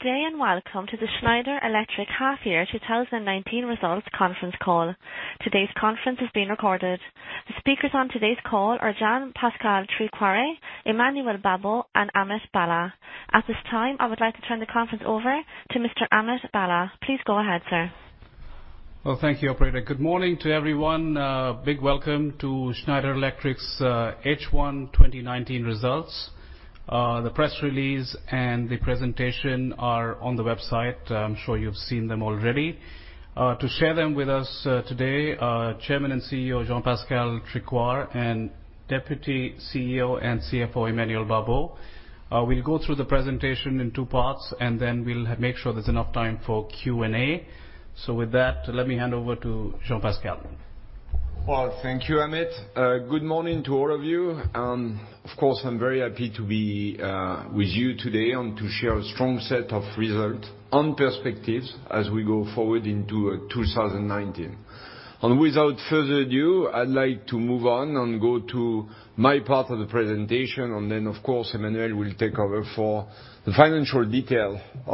Good day and Welcome to the Schneider Electric Half Year 2019 Results Conference Call. Today's conference is being recorded. The speakers on today's call are Jean-Pascal Tricoire, Emmanuel Babeau, and Amit Bhalla. At this time, I would like to turn the conference over to Mr. Amit Bhalla. Please go ahead, sir. Well, thank you, operator. Good morning to everyone. A big Welcome to Schneider Electric's H1 2019 Results. The press release and the presentation are on the website. I'm sure you've seen them already. To share them with us today, Chairman and CEO, Jean-Pascal Tricoire, and Deputy CEO and CFO, Emmanuel Babeau. We'll go through the presentation in two parts, and then we'll make sure there's enough time for Q and A. With that, let me hand over to Jean-Pascal. Well, thank you, Amit. Good morning to all of you. Of course, I am very happy to be with you today and to share a strong set of results and perspectives as we go forward into 2019. Without further ado, I’d like to move on and go to my part of the presentation, then, of course, Emmanuel will take over for the financial detail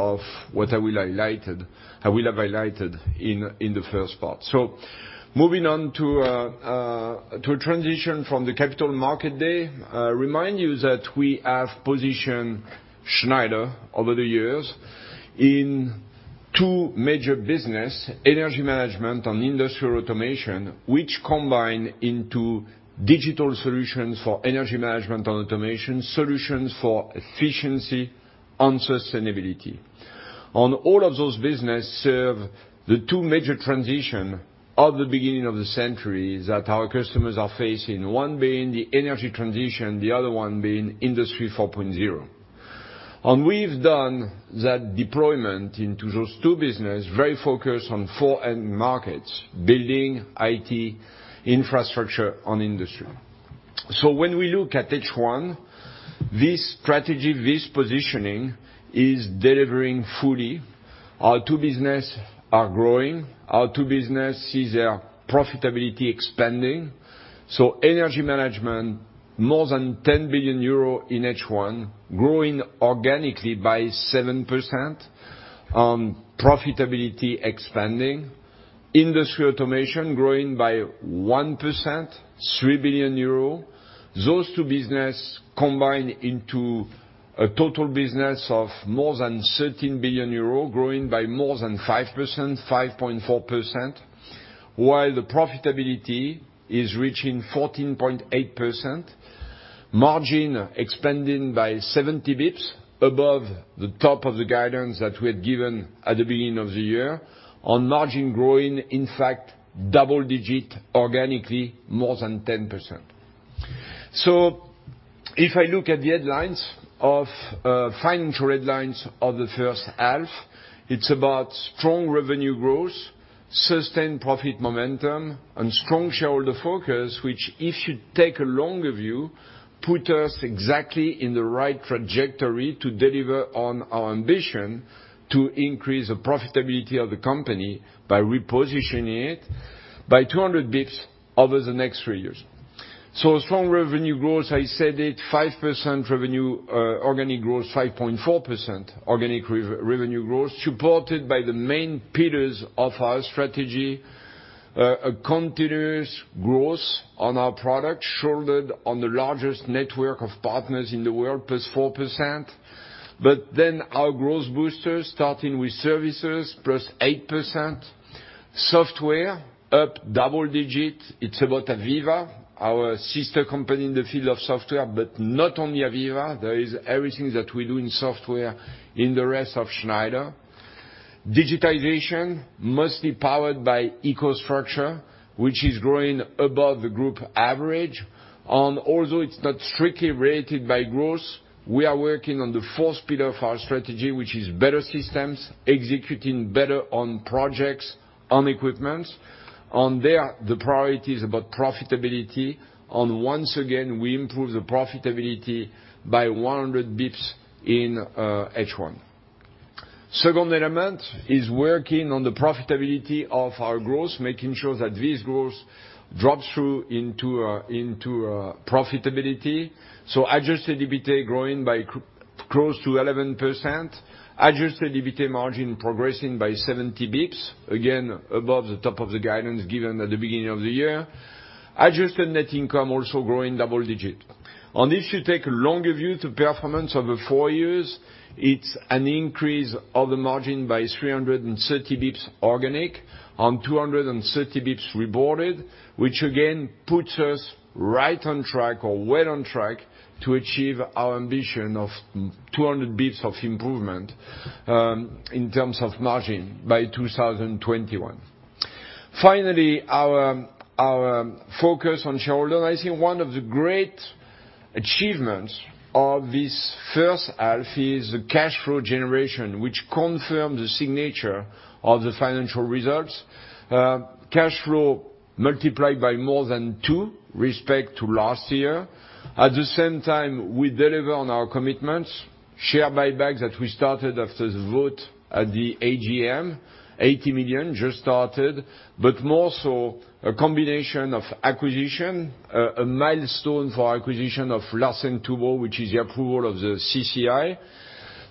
of what I will have highlighted in the first part. Moving on to a transition from the Capital Market Day, remind you that we have positioned Schneider over the years in two major business, energy management and industrial automation, which combine into digital solutions for energy management and automation, solutions for efficiency and sustainability. All of those business serve the two major transition of the beginning of the century that our customers are facing, one being the energy transition, the other one being Industry 4.0. We've done that deployment into those two business, very focused on four end markets, building, IT, infrastructure, and industry. When we look at H1, this strategy, this positioning is delivering fully. Our two business are growing. Our two business see their profitability expanding. Energy Management, more than 10 billion euro in H1, growing organically by 7%, profitability expanding. Industrial Automation growing by 1%, 3 billion euro. Those two businesses combine into a total business of more than 13 billion euro, growing by more than 5%, 5.4%, while the profitability is reaching 14.8%, margin expanding by 70 basis points above the top of the guidance that we had given at the beginning of the year, and margin growing, in fact, double digit organically more than 10%. If I look at the financial headlines of the first half, it's about strong revenue growth, sustained profit momentum, and strong shareholder focus, which if you take a longer view, put us exactly in the right trajectory to deliver on our ambition to increase the profitability of the company by repositioning it by 200 basis points over the next three years. Strong revenue growth, I said it, 5% revenue organic growth, 5.4% organic revenue growth, supported by the main pillars of our strategy, a continuous growth on our product, shouldered on the largest network of partners in the world, +4%. Our growth boosters starting with services, +8%, software up double digit. It's about AVEVA, our sister company in the field of software, not only AVEVA, there is everything that we do in software in the rest of Schneider. Digitization, mostly powered by EcoStruxure, which is growing above the group average. Although it's not strictly rated by growth, we are working on the fourth pillar of our strategy, which is better systems, executing better on projects and equipment. There, the priority is about profitability, once again, we improve the profitability by 100 bps in H1. Second element is working on the profitability of our growth, making sure that this growth drops through into profitability. Adjusted EBITDA growing by close to 11%. Adjusted EBITA margin progressing by 70 basis points, again, above the top of the guidance given at the beginning of the year. Adjusted net income also growing double digit. If you take a longer view to performance over four years, it's an increase of the margin by 330 basis points organic and 230 basis points reported, which again, puts us right on track or well on track to achieve our ambition of 200 basis points of improvement in terms of margin by 2021. Finally, our focus on shareholder. I think one of the great achievements of this first half is the cash flow generation, which confirms the signature of the financial results. Cash flow multiplied by more than two respect to last year. At the same time, we deliver on our commitments, share buybacks that we started after the vote at the AGM, 80 million just started, but more so a combination of acquisition, a milestone for acquisition of Larsen & Toubro, which is the approval of the CCI,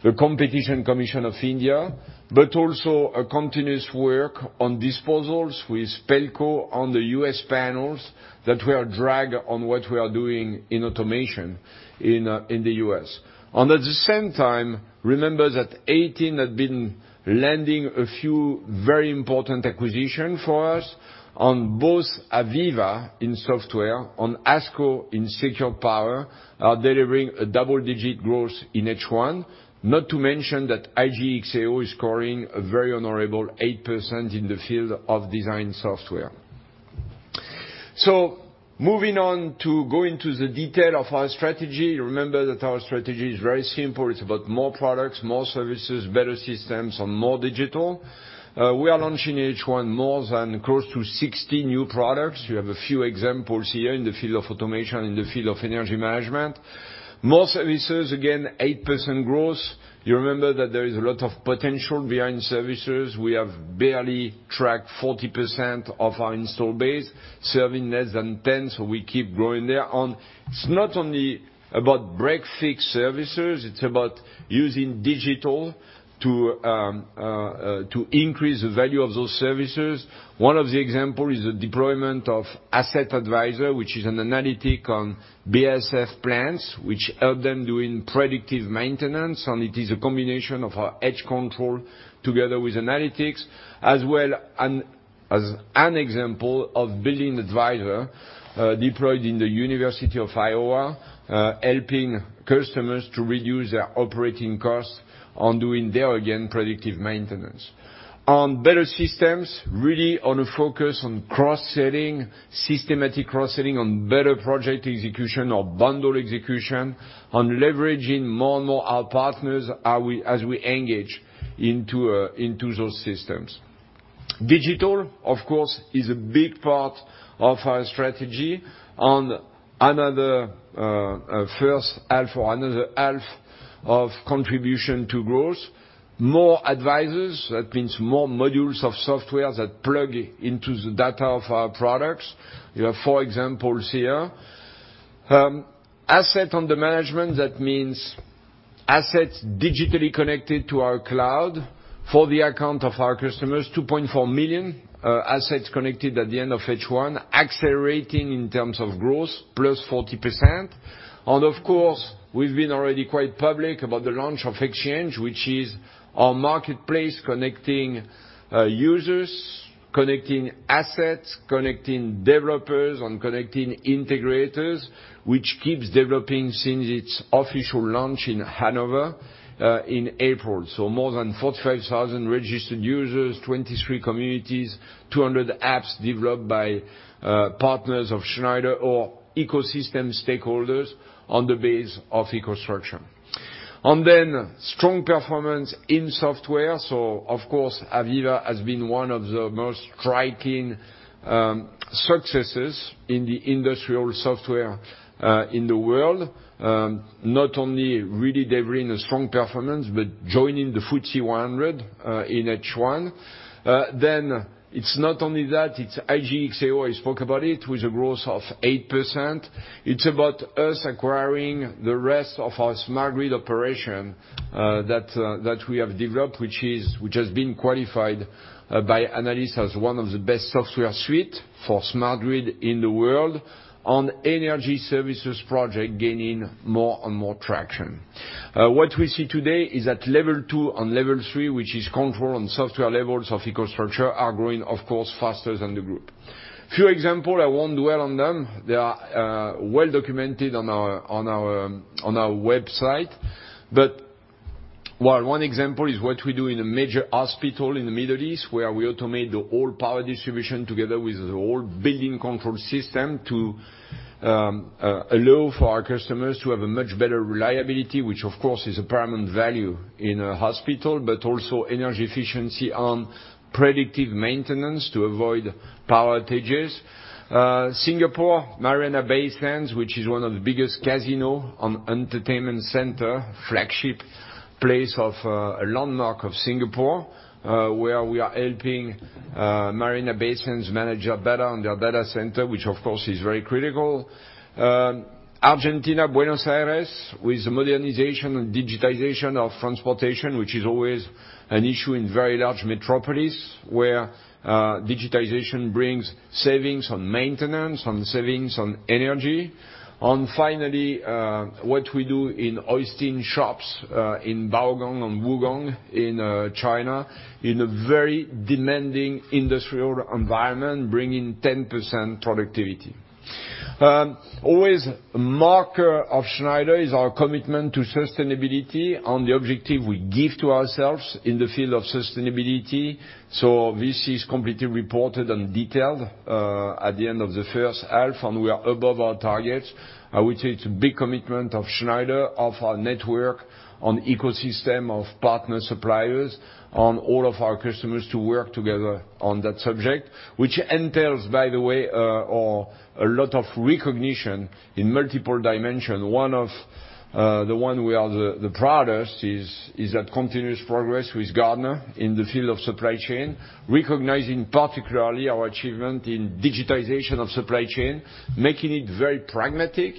the Competition Commission of India, but also a continuous work on disposals with Pelco on the U.S. panels that we are drag on what we are doing in automation in the U.S. At the same time, remember that 2018 had been landing a few very important acquisition for us on both AVEVA in software, on ASCO in secure power, are delivering a double-digit growth in H1. Not to mention that IGE+XAO is scoring a very honorable 8% in the field of design software. Moving on to go into the detail of our strategy, remember that our strategy is very simple. It's about more products, more services, better systems and more digital. We are launching H1 more than close to 60 new products. We have a few examples here in the field of automation, in the field of energy management. More services, again, 8% growth. You remember that there is a lot of potential behind services. We have barely tracked 40% of our install base, serving less than 10%, so we keep growing there. It's not only about break-fix services, it's about using digital to increase the value of those services. One of the example is the deployment of EcoStruxure Asset Advisor, which is an analytic on BASF plants, which help them doing predictive maintenance. It is a combination of our edge control together with analytics, as well as an example of Building Advisor, deployed in the University of Iowa, helping customers to reduce their operating costs on doing, there again, predictive maintenance. On better systems, really on a focus on cross-selling, systematic cross-selling on better project execution or bundle execution, on leveraging more and more our partners as we engage into those systems. Digital, of course, is a big part of our strategy on another first half or another half of contribution to growth. More advisors, that means more modules of software that plug into the data of our products. You have four examples here. Asset under management, that means assets digitally connected to our cloud for the account of our customers, 2.4 million assets connected at the end of H1, accelerating in terms of growth +40%. Of course, we've been already quite public about the launch of Exchange, which is our marketplace connecting users, connecting assets, connecting developers, and connecting integrators, which keeps developing since its official launch in Hanover, in April. More than 45,000 registered users, 23 communities, 200 apps developed by partners of Schneider or ecosystem stakeholders on the base of EcoStruxure. Strong performance in software. Of course, AVEVA has been one of the most striking successes in the industrial software in the world. Not only really delivering a strong performance, but joining the FTSE 100 in H1. It's not only that, it's IGE+XAO, I spoke about it, with a growth of 8%. It's about us acquiring the rest of our smart grid operation that we have developed, which has been qualified by analysts as one of the best software suite for smart grid in the world on energy services project gaining more and more traction. What we see today is at level two and level three, which is control and software levels of EcoStruxure, are growing, of course, faster than the group. Few example, I won't dwell on them. They are well documented on our website. One example is what we do in a major hospital in the Middle East, where we automate the whole power distribution together with the whole building control system to allow for our customers to have a much better reliability, which of course is a paramount value in a hospital, but also energy efficiency and predictive maintenance to avoid power outages. Singapore, Marina Bay Sands, which is one of the biggest casino and entertainment center, flagship place of, a landmark of Singapore, where we are helping Marina Bay Sands manage better on their data center, which of course is very critical. Argentina, Buenos Aires, with the modernization and digitization of transportation, which is always an issue in very large metropolis, where digitization brings savings on maintenance, on savings on energy. Finally, what we do in steel shops, in Baogang and Wugang in China, in a very demanding industrial environment, bringing 10% productivity. Always marker of Schneider is our commitment to sustainability and the objective we give to ourselves in the field of sustainability. This is completely reported and detailed, at the end of the first half, We are above our targets. I would say it's a big commitment of Schneider, of our network, an ecosystem of partner suppliers, and all of our customers to work together on that subject, which entails, by the way, a lot of recognition in multiple dimensions. One of the ones we are the proudest is that continuous progress with Gartner in the field of supply chain, recognizing particularly our achievement in digitization of supply chain, making it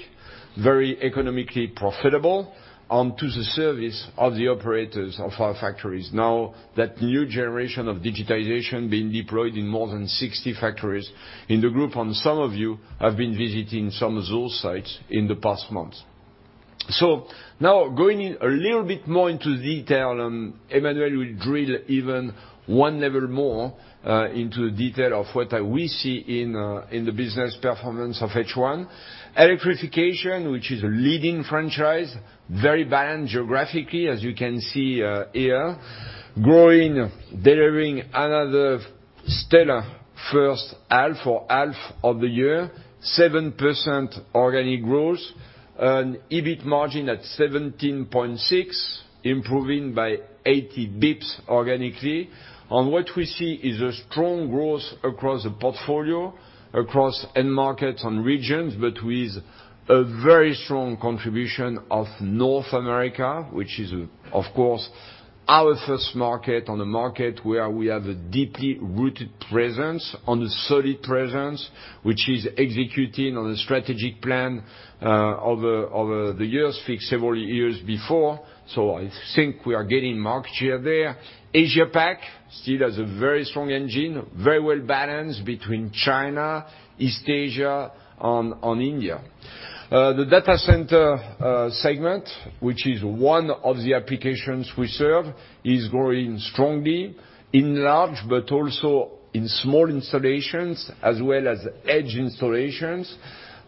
very economically profitable to the service of the operators of our factories. That new generation of digitization being deployed in more than 60 factories in the group, some of you have been visiting some of those sites in the past month. Going a little bit more into detail, Emmanuel will drill even one level more into detail of what we see in the business performance of H1. Electrification, which is a leading franchise, very balanced geographically as you can see here, growing, delivering another stellar first half or half of the year, 7% organic growth, an EBIT margin at 17.6%, improving by 80 basis points organically. What we see is a strong growth across the portfolio, across end markets and regions, but with a very strong contribution of North America, which is, of course, our first market on a market where we have a deeply rooted presence and a solid presence, which is executing on a strategic plan over the years fixed several years before. I think we are gaining market share there. Asia PAC still has a very strong engine, very well balanced between China, East Asia, and India. The data center segment, which is one of the applications we serve, is growing strongly in large, but also in small installations as well as edge installations.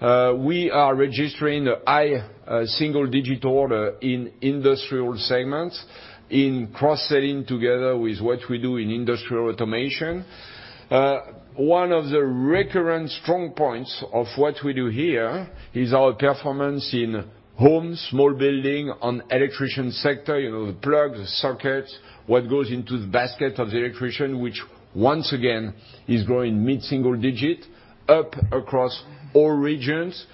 We are registering high single-digit order in industrial segments, in cross-selling together with what we do in industrial automation. One of the recurrent strong points of what we do here is our performance in home, small building, and electrician sector, the plugs, the sockets, what goes into the basket of the electrician, which once again is growing mid-single digit up across all regions.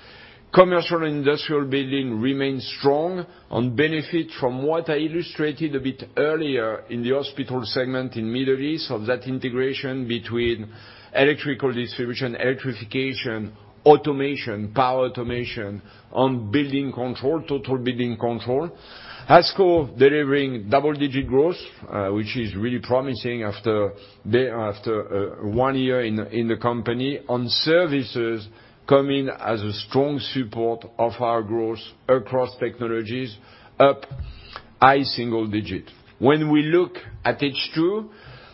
Commercial and industrial building remains strong and benefit from what I illustrated a bit earlier in the hospital segment in Middle East of that integration between electrical distribution, electrification, automation, power automation, and building control, total building control. ASCO delivering double-digit growth, which is really promising after one year in the company. Services come in as a strong support of our growth across technologies, up high single digit. When we look at H2,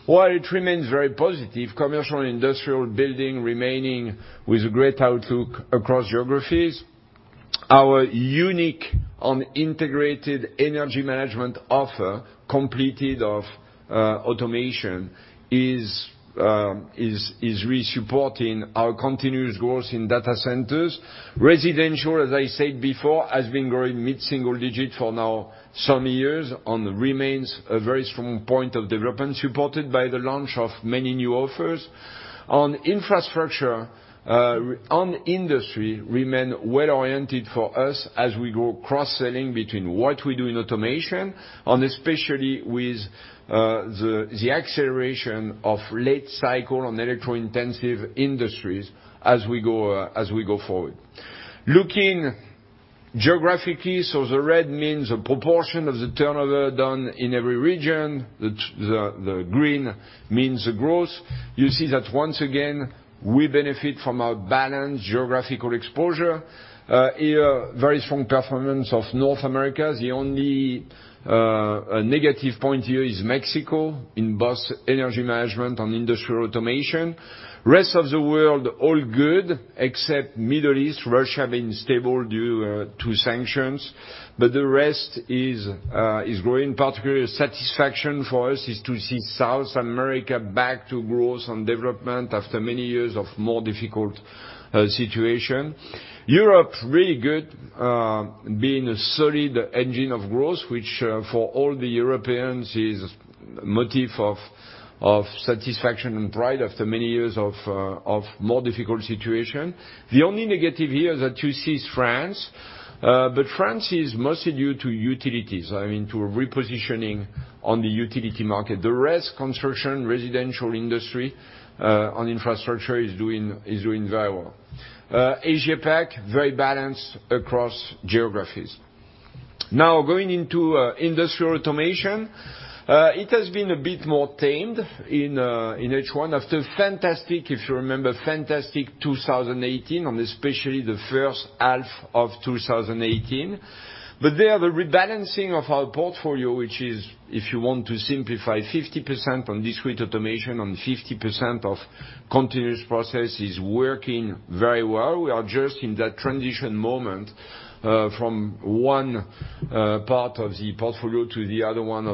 while it remains very positive, commercial and industrial building remaining with a great outlook across geographies, our unique and integrated energy management offer completed of automation is really supporting our continuous growth in data centers. Residential, as I said before, has been growing mid-single digit for now some years and remains a very strong point of development, supported by the launch of many new offers. Infrastructure and industry remain well-oriented for us as we go cross-selling between what we do in automation and especially with the acceleration of late cycle and electro-intensive industries as we go forward. Looking geographically, the red means the proportion of the turnover done in every region. The green means the growth. You see that once again, we benefit from our balanced geographical exposure. Here, very strong performance of North America. The only negative point here is Mexico in both energy management and industrial automation. Rest of the world, all good except Middle East, Russia being stable due to sanctions. The rest is growing, particular satisfaction for us is to see South America back to growth and development after many years of more difficult situation. Europe, really good, being a solid engine of growth, which for all the Europeans is motive of satisfaction and pride after many years of more difficult situation. The only negative here is that you see is France. France is mostly due to utilities, to repositioning on the utility market. The rest, construction, residential, industry, and infrastructure is doing very well. Asia PAC, very balanced across geographies. Now, going into industrial automation. It has been a bit more tamed in H1 after fantastic, if you remember, fantastic 2018 and especially the first half of 2018. There, the rebalancing of our portfolio, which is if you want to simplify 50% on discrete automation and 50% of continuous process is working very well. We are just in that transition moment from one part of the portfolio to the other one.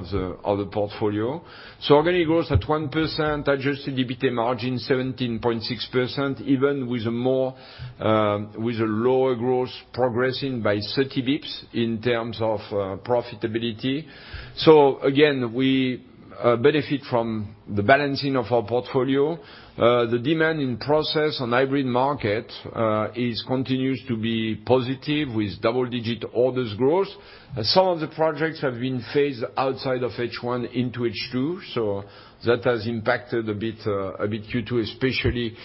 Organic growth at 1%, adjusted EBITDA margin 17.6%, even with a lower growth progressing by 30 basis points in terms of profitability. Again, we benefit from the balancing of our portfolio. The demand in process and hybrid market continues to be positive with double-digit orders growth. Some of the projects have been phased outside of H1 into H2, that has impacted a bit Q2 especially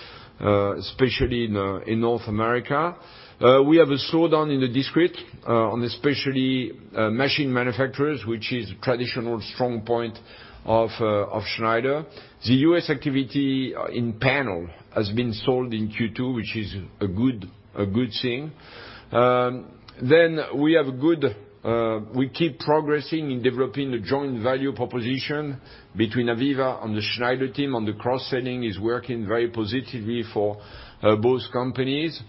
in North America. We have a slowdown in the discrete, on especially machine manufacturers, which is a traditional strong point of Schneider. The U.S. activity in Panel has been sold in Q2, which is a good thing. We keep progressing in developing the joint value proposition between AVEVA and the Schneider team, and the cross-selling is working very positively for both companies.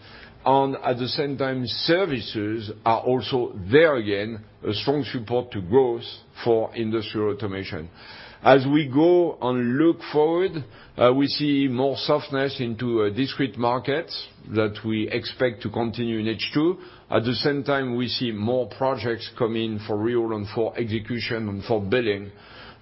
At the same time, services are also there again, a strong support to growth for industrial automation. As we go and look forward, we see more softness into discrete markets that we expect to continue in H2. At the same time, we see more projects coming in for real and for execution and for billing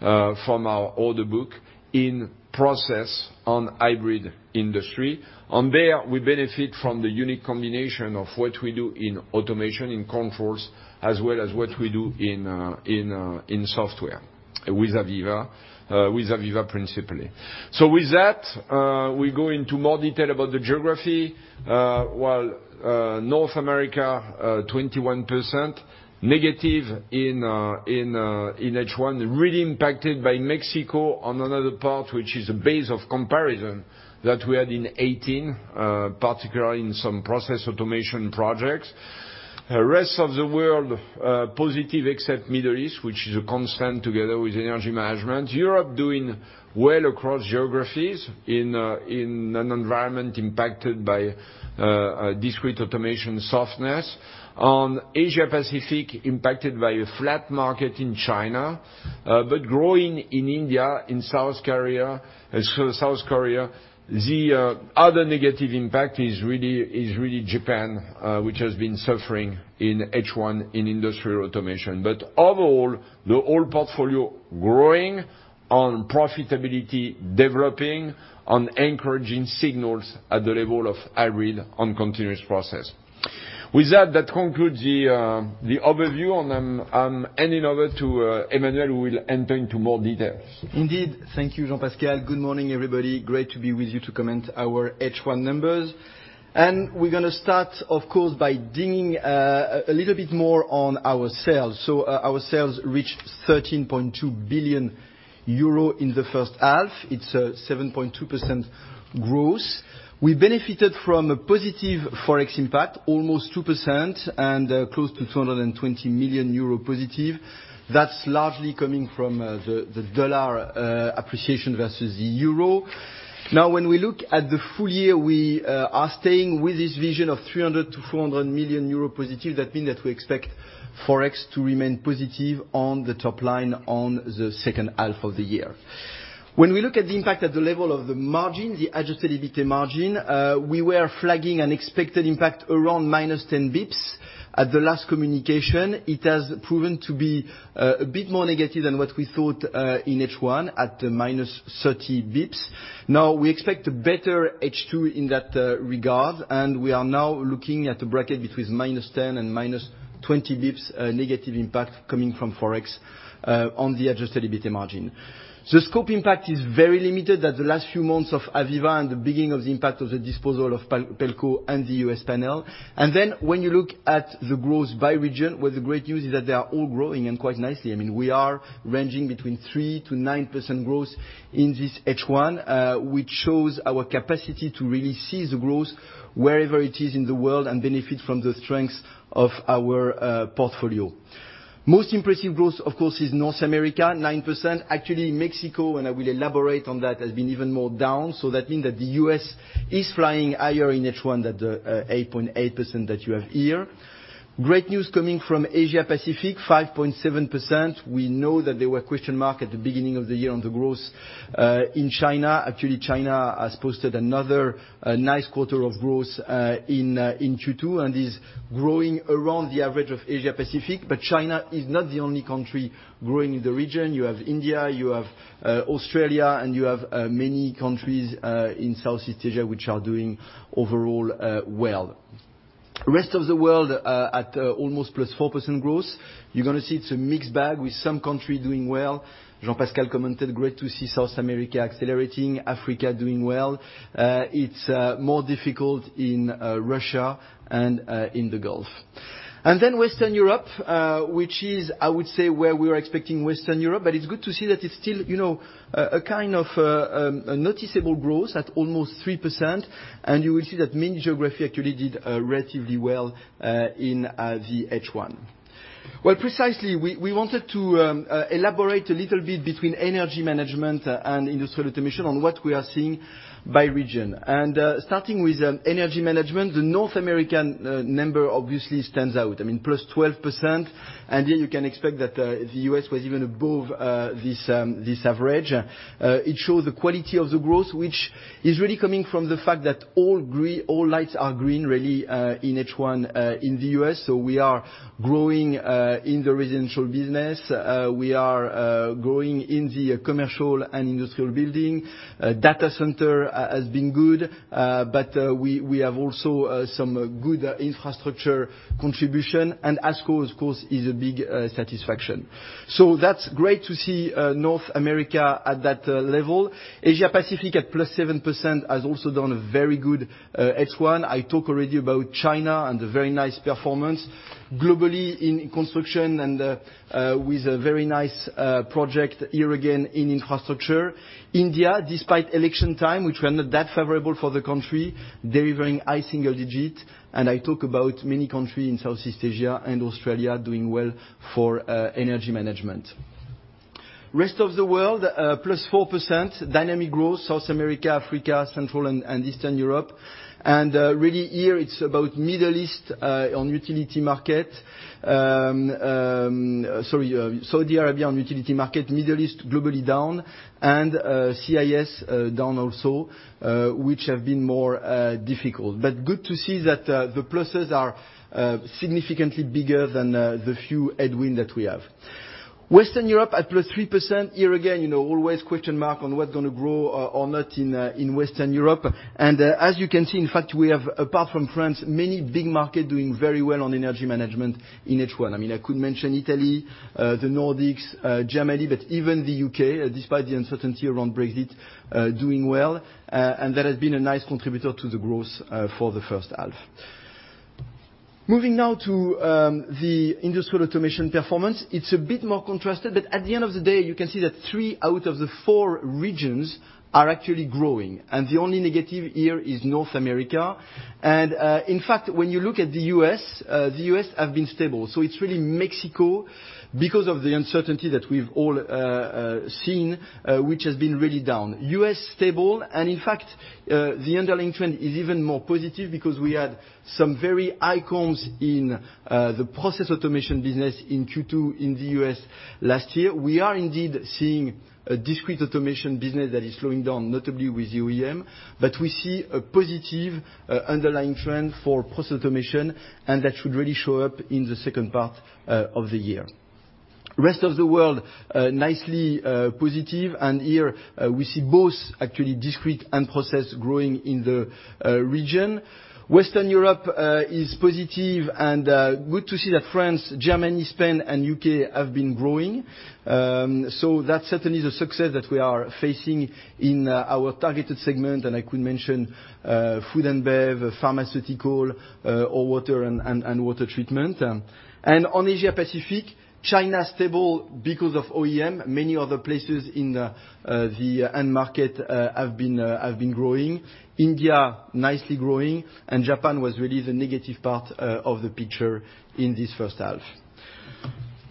from our order book in process on hybrid industry. There, we benefit from the unique combination of what we do in automation, in controls, as well as what we do in software with AVEVA, principally. With that, we go into more detail about the geography, while North America, 21% negative in H1, really impacted by Mexico on another part, which is a base of comparison that we had in 2018, particularly in some process automation projects. Rest of the world, positive except Middle East, which is a constant together with energy management. Europe doing well across geographies in an environment impacted by discrete automation softness. On Asia Pacific, impacted by a flat market in China, but growing in India, in South Korea. The other negative impact is really Japan, which has been suffering in H1 in industrial automation. Overall, the whole portfolio growing on profitability, developing on encouraging signals at the level of hybrid and continuous process. With that concludes the overview, and I'm handing over to Emmanuel, who will enter into more details. Indeed. Thank you, Jean-Pascal. Good morning, everybody. Great to be with you to comment our H1 numbers. We're going to start, of course, by digging a little bit more on our sales. Our sales reached 13.2 billion euro in the first half. It's 7.2% growth. We benefited from a positive Forex impact, almost 2% and close to 220 million euro positive. That's largely coming from the dollar appreciation versus the euro. When we look at the full year, we are staying with this vision of 300 million-400 million euro positive. That means that we expect Forex to remain positive on the top line on the second half of the year. When we look at the impact at the level of the margin, the adjusted EBITDA margin, we were flagging an expected impact around -10 basis points at the last communication. It has proven to be a bit more negative than what we thought in H1 at -30 basis points. We expect a better H2 in that regard, and we are now looking at a bracket between -10 and -20 basis points negative impact coming from Forex on the adjusted EBITDA margin. The scope impact is very limited at the last few months of AVEVA and the beginning of the impact of the disposal of Pelco and the U.S. Panel. When you look at the growth by region, the great news is that they are all growing, and quite nicely. We are ranging between 3%-9% growth in this H1, which shows our capacity to really seize the growth wherever it is in the world and benefit from the strengths of our portfolio. Most impressive growth, of course, is North America, 9%. Actually, Mexico, and I will elaborate on that, has been even more down. That means that the U.S. is flying higher in H1 than the 8.8% that you have here. Great news coming from Asia Pacific, 5.7%. We know that there were question marks at the beginning of the year on the growth in China. Actually, China has posted another nice quarter of growth in Q2 and is growing around the average of Asia Pacific. China is not the only country growing in the region. You have India, you have Australia, and you have many countries in Southeast Asia which are doing overall well. Rest of the world at almost +4% growth. You're going to see it's a mixed bag with some countries doing well. Jean-Pascal commented great to see South America accelerating, Africa doing well. It's more difficult in Russia and in the Gulf. Western Europe, which is, I would say, where we are expecting Western Europe, but it's good to see that it's still a kind of noticeable growth at almost 3%. You will see that many geographies actually did relatively well in the H1. Precisely, we wanted to elaborate a little bit between energy management and industrial automation on what we are seeing by region. Starting with energy management, the North American number obviously stands out. +12%, and here you can expect that the U.S. was even above this average. It shows the quality of the growth, which is really coming from the fact that all lights are green, really, in H1 in the U.S. We are growing in the residential business. We are growing in the commercial and industrial building. Data center has been good, but we have also some good infrastructure contribution, and ASCO, of course, is a big satisfaction. That's great to see North America at that level. Asia Pacific at +7% has also done a very good H1. I talk already about China and the very nice performance globally in construction and with a very nice project here again in infrastructure. India, despite election time, which were not that favorable for the country, delivering high single digit. I talk about many countries in Southeast Asia and Australia doing well for energy management. Rest of the world, +4%, dynamic growth, South America, Africa, Central and Eastern Europe. Really here it's about Middle East on utility market. Sorry, Saudi Arabia on utility market, Middle East globally down, and CIS down also, which have been more difficult. Good to see that the pluses are significantly bigger than the few headwind that we have. Western Europe at +3%. Here again, always question mark on what's going to grow or not in Western Europe. As you can see, in fact, we have, apart from France, many big market doing very well on energy management in H1. I could mention Italy, the Nordics, Germany, but even the U.K., despite the uncertainty around Brexit, doing well. That has been a nice contributor to the growth for the first half. Moving now to the industrial automation performance. It's a bit more contrasted, but at the end of the day, you can see that three out of the four regions are actually growing. The only negative here is North America. In fact, when you look at the U.S., the U.S. have been stable. It's really Mexico, because of the uncertainty that we've all seen, which has been really down. U.S. stable. In fact, the underlying trend is even more positive because we had some very high comps in the process automation business in Q2 in the U.S. last year. We are indeed seeing a discrete automation business that is slowing down, notably with OEM, but we see a positive underlying trend for process automation, and that should really show up in the second part of the year. Rest of the world, nicely positive, here we see both actually discrete and process growing in the region. Western Europe is positive and good to see that France, Germany, Spain, and U.K. have been growing. That certainly is a success that we are facing in our targeted segment, and I could mention food and bev., pharmaceutical, or water and water treatment. On Asia-Pacific, China stable because of OEM. Many other places in the end market have been growing. India nicely growing. Japan was really the negative part of the picture in this first half.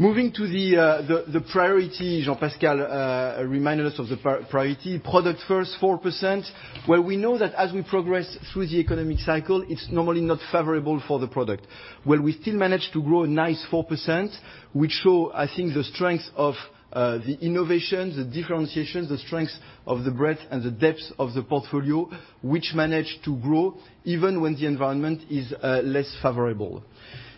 Moving to the priority, Jean-Pascal reminded us of the priority product first 4%, where we know that as we progress through the economic cycle, it's normally not favorable for the product. Well, we still managed to grow a nice 4%, which show, I think the strength of the innovation, the differentiations, the strengths of the breadth and the depths of the portfolio, which managed to grow even when the environment is less favorable.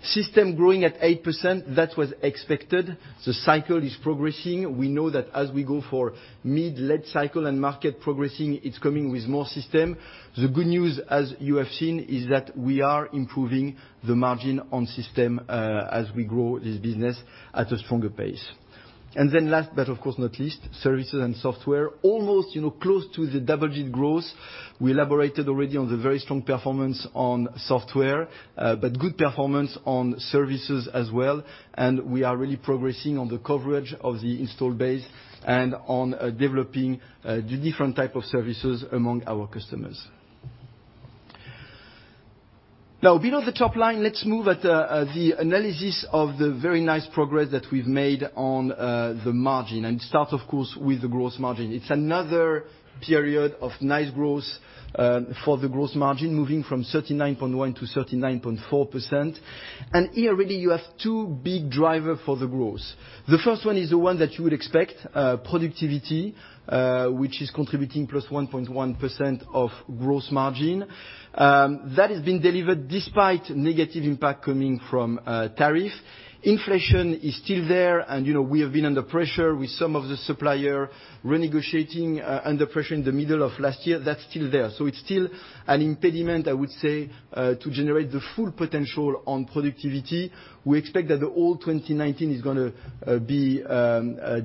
System growing at 8%. That was expected. The cycle is progressing. We know that as we go for mid, late cycle and market progressing, it's coming with more system. The good news, as you have seen, is that we are improving the margin on system as we grow this business at a stronger pace. Last, but of course not least, services and software. Almost close to the double-digit growth. We elaborated already on the very strong performance on software, but good performance on services as well, and we are really progressing on the coverage of the install base and on developing the different type of services among our customers. Below the top line, let's move at the analysis of the very nice progress that we've made on the margin, and start of course, with the gross margin. It's another period of nice growth for the gross margin, moving from 39.1%-39.4%. Here, really, you have two big driver for the growth. The first one is the one that you would expect, productivity, which is contributing +1.1% of gross margin. That has been delivered despite negative impact coming from tariff. Inflation is still there, and we have been under pressure with some of the suppliers renegotiating under pressure in the middle of last year. That's still there. It's still an impediment, I would say, to generate the full potential on productivity. We expect that all 2019 is going to be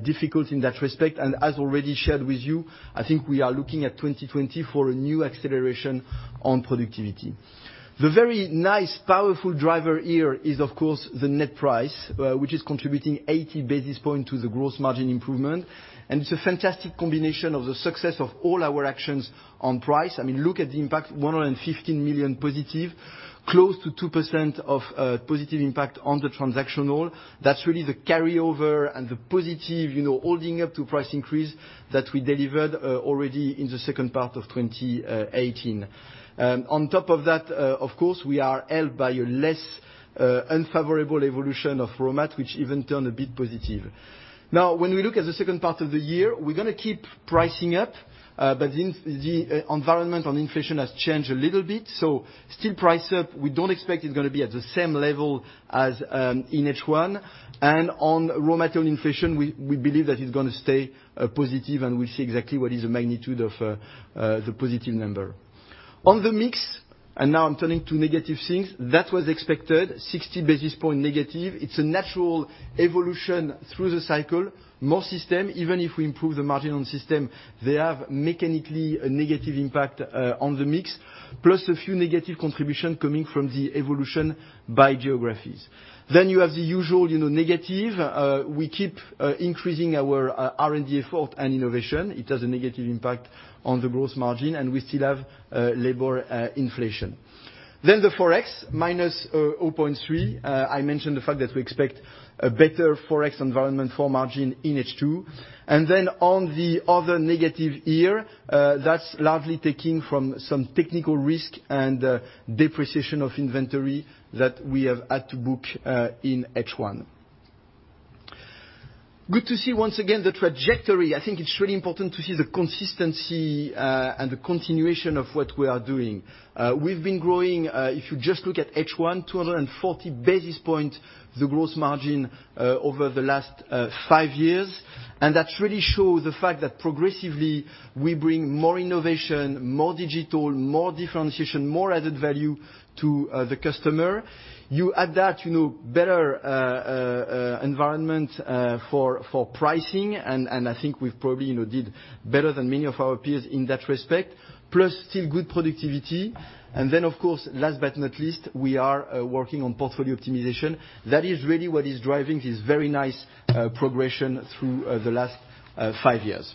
difficult in that respect, and as already shared with you, I think we are looking at 2020 for a new acceleration on productivity. The very nice powerful driver here is of course the net price, which is contributing 80 basis points to the gross margin improvement. It's a fantastic combination of the success of all our actions on price. Look at the impact, 115 million positive, close to 2% of positive impact on the transactional. That's really the carryover and the positive, holding up to price increase that we delivered already in the second part of 2018. On top of that, of course, we are helped by a less unfavorable evolution of raw mat, which even turn a bit positive. Now, when we look at the second part of the year, we're going to keep pricing up, but the environment on inflation has changed a little bit. Still price up. We don't expect it's going to be at the same level as in H1. On raw material inflation, we believe that it's going to stay positive, and we'll see exactly what is the magnitude of the positive number. On the mix, and now I'm turning to negative things. That was expected, 60 basis point negative. It's a natural evolution through the cycle. More system, even if we improve the margin on system, they have mechanically a negative impact on the mix. A few negative contribution coming from the evolution by geographies. You have the usual negative. We keep increasing our R&D effort and innovation. It has a negative impact on the growth margin, and we still have labor inflation. The Forex, -0.3%. I mentioned the fact that we expect a better Forex environment for margin in H2. On the other negative here, that's largely taking from some technical risk and depreciation of inventory that we have had to book in H1. Good to see once again, the trajectory. I think it's really important to see the consistency and the continuation of what we are doing. We've been growing, if you just look at H1, 240 basis points the gross margin over the last five years. That really shows the fact that progressively, we bring more innovation, more digital, more differentiation, more added value to the customer. You add that, better environment for pricing, and I think we've probably did better than many of our peers in that respect, plus still good productivity. Of course, last but not least, we are working on portfolio optimization. That is really what is driving this very nice progression through the last five years.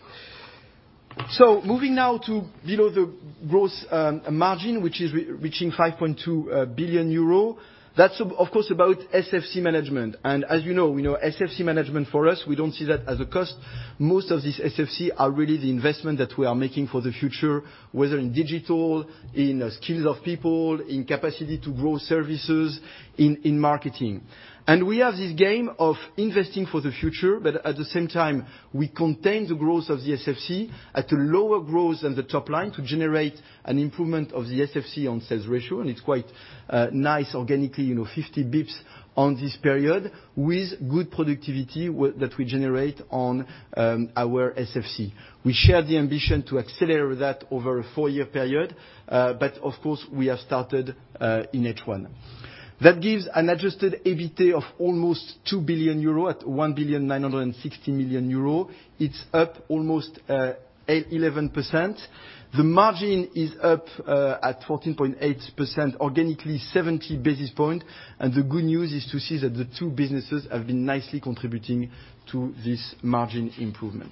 Moving now to below the gross margin, which is reaching 5.2 billion euro. That's, of course, about SFC management. As you know, SFC management for us, we don't see that as a cost. Most of these SFC are really the investment that we are making for the future, whether in digital, in skills of people, in capacity to grow services, in marketing. We have this game of investing for the future, but at the same time, we contain the growth of the SFC at a lower growth than the top line to generate an improvement of the SFC on sales ratio, and it's quite nice organically, 50 basis points on this period with good productivity that we generate on our SFC. We share the ambition to accelerate that over a four year period. Of course, we have started in H1. That gives an adjusted EBITA of almost 2 billion euro at 1.96 billion. It's up almost 11%. The margin is up at 14.8%, organically 70 basis points. The good news is to see that the two businesses have been nicely contributing to this margin improvement.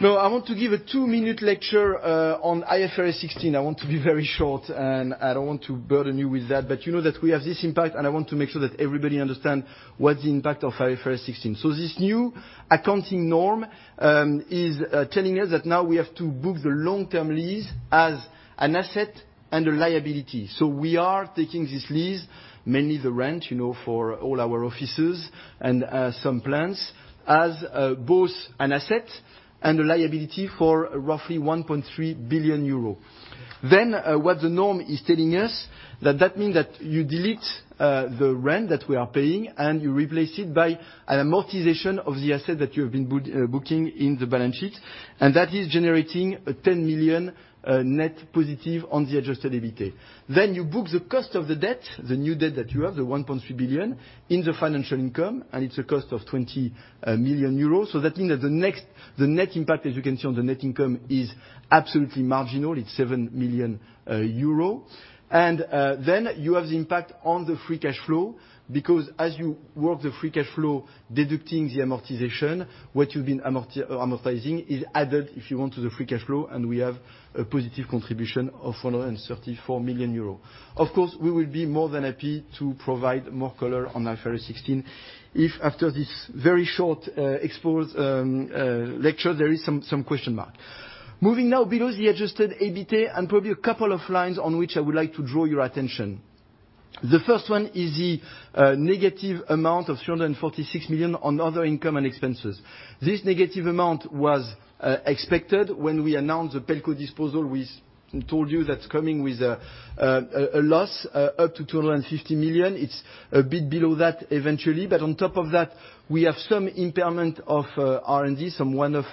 Now, I want to give a two minute lecture on IFRS 16. I want to be very short, and I don't want to burden you with that, but you know that we have this impact, and I want to make sure that everybody understand what the impact of IFRS 16. This new accounting norm is telling us that now we have to book the long term lease as an asset and a liability. We are taking this lease, mainly the rent for all our offices and some plants, as both an asset and a liability for roughly 1.3 billion euro. What the norm is telling us, that that mean that you delete the rent that we are paying and you replace it by an amortization of the asset that you have been booking in the balance sheet, and that is generating a 10 million net positive on the adjusted EBITA. You book the cost of the debt, the new debt that you have, the 1.3 billion, in the financial income, and it's a cost of 20 million euros. That means that the net impact, as you can see on the net income, is absolutely marginal. It's 7 million euro. You have the impact on the free cash flow, because as you work the free cash flow, deducting the amortization, what you've been amortizing is added, if you want, to the free cash flow, and we have a positive contribution of 434 million euros. Of course, we will be more than happy to provide more color on IFRS 16 if after this very short exposed lecture, there is some question mark. Moving now below the adjusted EBITA, probably a couple of lines on which I would like to draw your attention. The first one is the negative amount of 346 million on other income and expenses. This negative amount was expected when we announced the Pelco disposal. We told you that's coming with a loss up to 250 million. It's a bit below that eventually. On top of that, we have some impairment of R&D, some one-off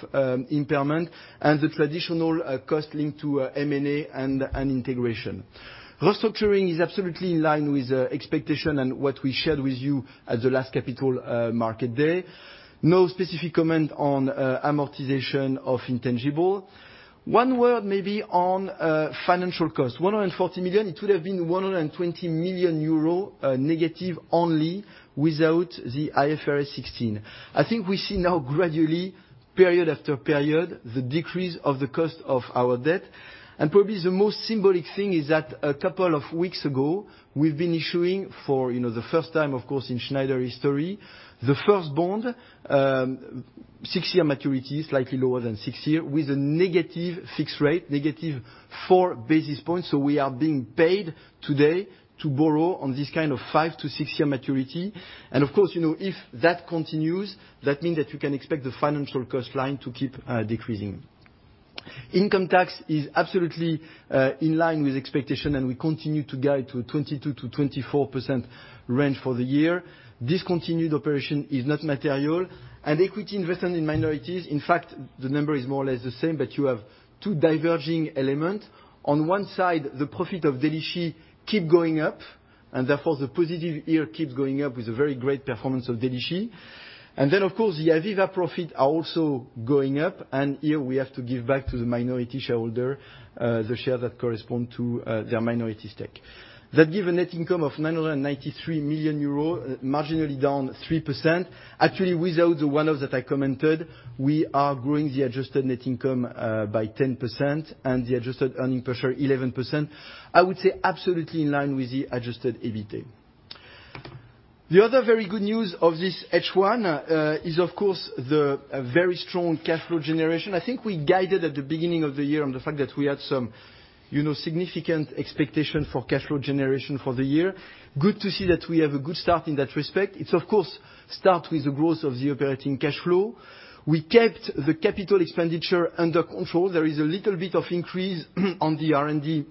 impairment, and the traditional cost linked to M&A and integration. Restructuring is absolutely in line with expectation and what we shared with you at the last Capital Market Day. No specific comment on amortization of intangible. One word maybe on financial cost. 140 million, it would have been 120 million euro negative only without the IFRS 16. I think we see now gradually, period after period, the decrease of the cost of our debt. Probably the most symbolic thing is that a couple of weeks ago, we've been issuing for the first time, of course, in Schneider history, the first bond, six year maturity, slightly lower than six year, with a negative fixed rate, negative four basis points. We are being paid today to borrow on this kind of five to six year maturity. Of course, if that continues, that mean that you can expect the financial cost line to keep decreasing. Income tax is absolutely in line with expectation, and we continue to guide to a 22%-24% range for the year. Discontinued operation is not material. Equity investment in minorities, in fact, the number is more or less the same, but you have two diverging elements. On one side, the profit of Delixi keep going up. Therefore, the positive here keeps going up with a very great performance of Delixi. Of course, the AVEVA profit are also going up, and here we have to give back to the minority shareholder the share that correspond to their minority stake. That give a net income of 993 million euros, marginally down 3%. Actually, without the one-offs that I commented, we are growing the adjusted net income by 10% and the adjusted earning per share 11%. I would say absolutely in line with the adjusted EBITA. The other very good news of this H1 is, of course, the very strong cash flow generation. I think we guided at the beginning of the year on the fact that we had some significant expectation for cash flow generation for the year. Good to see that we have a good start in that respect. It, of course, start with the growth of the operating cash flow. We kept the capital expenditure under control. There is a little bit of increase on the R&D,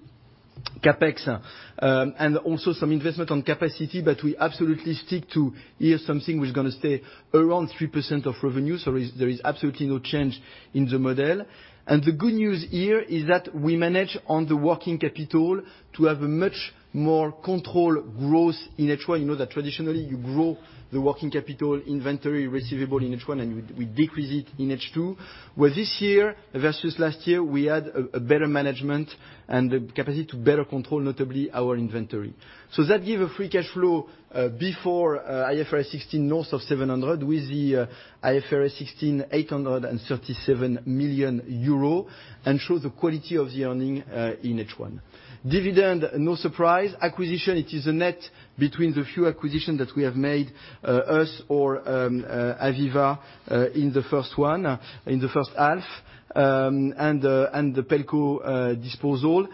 CapEx, and also some investment on capacity, but we absolutely stick to here something which is going to stay around 3% of revenue. There is absolutely no change in the model. The good news here is that we manage on the working capital to have a much more control growth in H1. You know that traditionally, you grow the working capital inventory receivable in H1, and we decrease it in H2. Where this year versus last year, we had a better management and the capacity to better control, notably our inventory. That give a free cash flow before IFRS 16 north of 700 million with the IFRS 16, 837 million euro, and show the quality of the earnings in H1. Dividend, no surprise. Acquisition, it is a net between the few acquisition that we have made, us or AVEVA, in the first one, in the first half, and the Pelco disposal.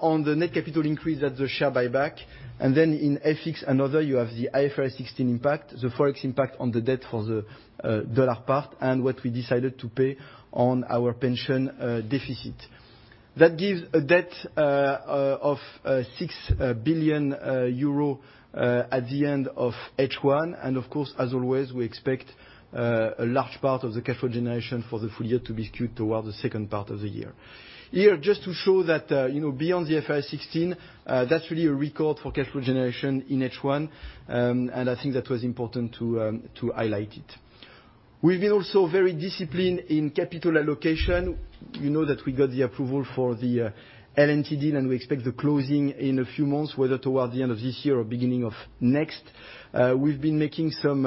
On the net capital increase and the share buyback, and in FX and other, you have the IFRS 16 impact, the Forex impact on the debt for the U.S. dollar part, and what we decided to pay on our pension deficit. That gives a debt of 6 billion euro at the end of H1. Of course, as always, we expect a large part of the cash flow generation for the full year to be skewed towards the second part of the year. Here, just to show that, beyond the IFRS 16, that's really a record for cash flow generation in H1, and I think that was important to highlight it. We've been also very disciplined in capital allocation. You know that we got the approval for the L&T deal, and we expect the closing in a few months, whether towards the end of this year or beginning of next. We've been making some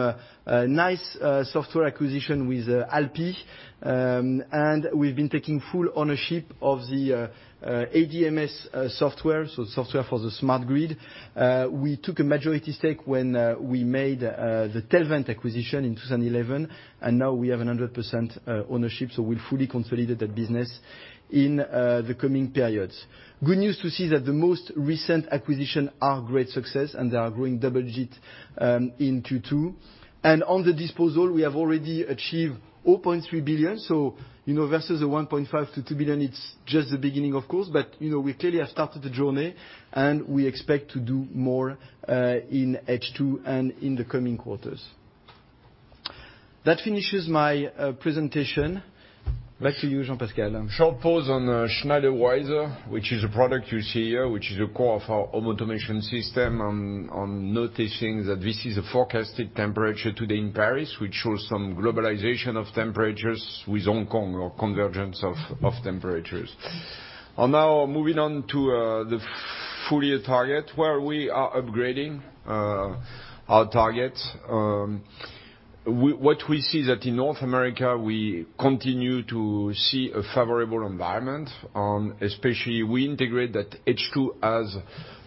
nice software acquisition with ALPI, and we've been taking full ownership of the ADMS software, so software for the smart grid. We took a majority stake when we made the Telvent acquisition in 2011, and now we have 100% ownership, so we'll fully consolidate that business in the coming periods. Good news to see that the most recent acquisition are great success, they are growing double-digit in Q2. On the disposal, we have already achieved 0.3 billion. Versus the 1.5 billion-2 billion, it's just the beginning, of course. We clearly have started the journey, and we expect to do more in H2 and in the coming quarters. That finishes my presentation. Back to you, Jean-Pascal. Short pause on Schneider Wiser, which is a product you see here, which is the core of our home automation system on noticing that this is a forecasted temperature today in Paris, which shows some globalization of temperatures with Hong Kong or convergence of temperatures. Now moving on to the full-year target, where we are upgrading our target. What we see that in North America, we continue to see a favorable environment, especially we integrate that H2 has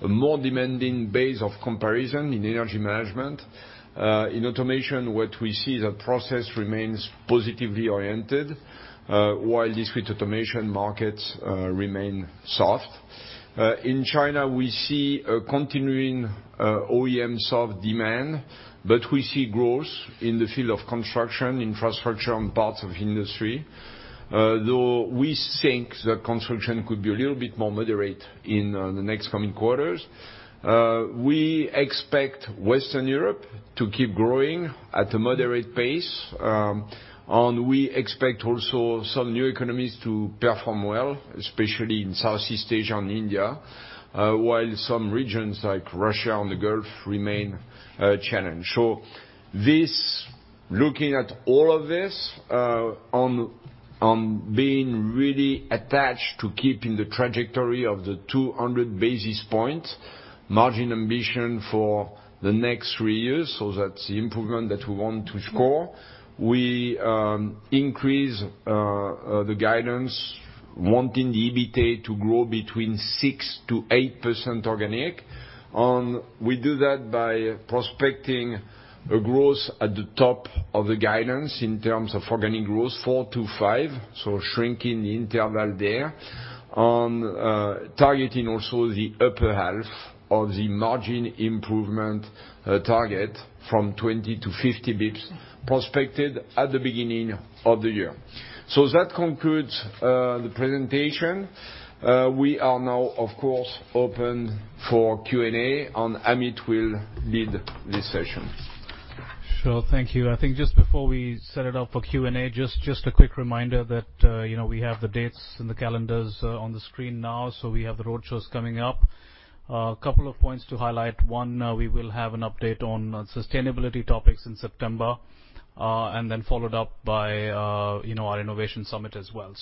a more demanding base of comparison in energy management. In automation, what we see is that process remains positively oriented, while discrete automation markets remain soft. In China, we see a continuing OEM soft demand, We see growth in the field of construction, infrastructure, and parts of industry. We think that construction could be a little bit more moderate in the next coming quarters. We expect Western Europe to keep growing at a moderate pace. We expect also some new economies to perform well, especially in Southeast Asia and India, while some regions like Russia and the Gulf remain a challenge. Looking at all of this, on being really attached to keeping the trajectory of the 200 basis points margin ambition for the next three years. That's the improvement that we want to score. We increase the guidance, wanting the EBITA to grow between 6%-8% organic, and we do that by prospecting a growth at the top of the guidance in terms of organic growth 4%-5%, so shrinking the interval there. On targeting also the upper half of the margin improvement target from 20 to 50 basis points prospected at the beginning of the year. That concludes the presentation. We are now, of course, open for Q and A, and Amit will lead this session. Sure. Thank you. I think just before we set it up for Q and A, just a quick reminder that we have the dates and the calendars on the screen now. We have the roadshows coming up. A couple of points to highlight. One, we will have an update on sustainability topics in September, and then followed up by our innovation summit as well.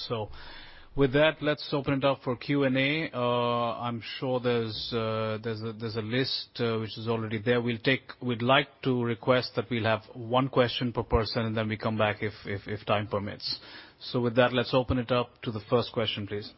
With that, let's open it up for Q and A. I'm sure there's a list which is already there. We'd like to request that we'll have one question per person, and then we come back if time permits. With that, let's open it up to the first question, please.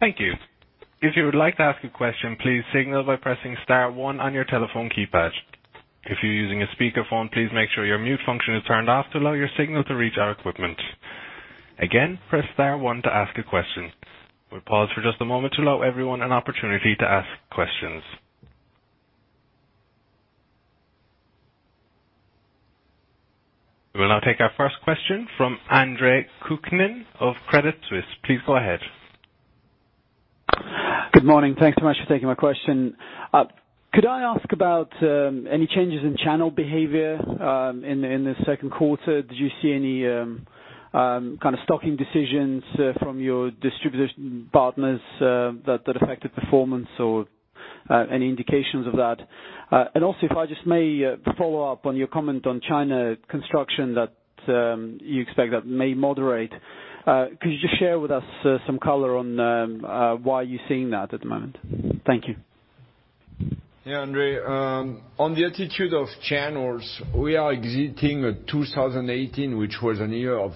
Thank you. If you would like to ask a question, please signal by pressing star one on your telephone keypad. If you're using a speakerphone, please make sure your mute function is turned off to allow your signal to reach our equipment. Again, press star one to ask a question. We'll pause for just a moment to allow everyone an opportunity to ask questions. We will now take our first question from Andre Kukhnin of Credit Suisse. Please go ahead. Good morning. Thanks so much for taking my question. Could I ask about any changes in channel behavior in the second quarter? Did you see any kind of stocking decisions from your distribution partners that affected performance or any indications of that? Also, if I just may follow up on your comment on China construction that you expect that may moderate, could you just share with us some color on why you're seeing that at the moment? Thank you. Yeah, Andre. On the attitude of channels, we are exiting 2018, which was a year of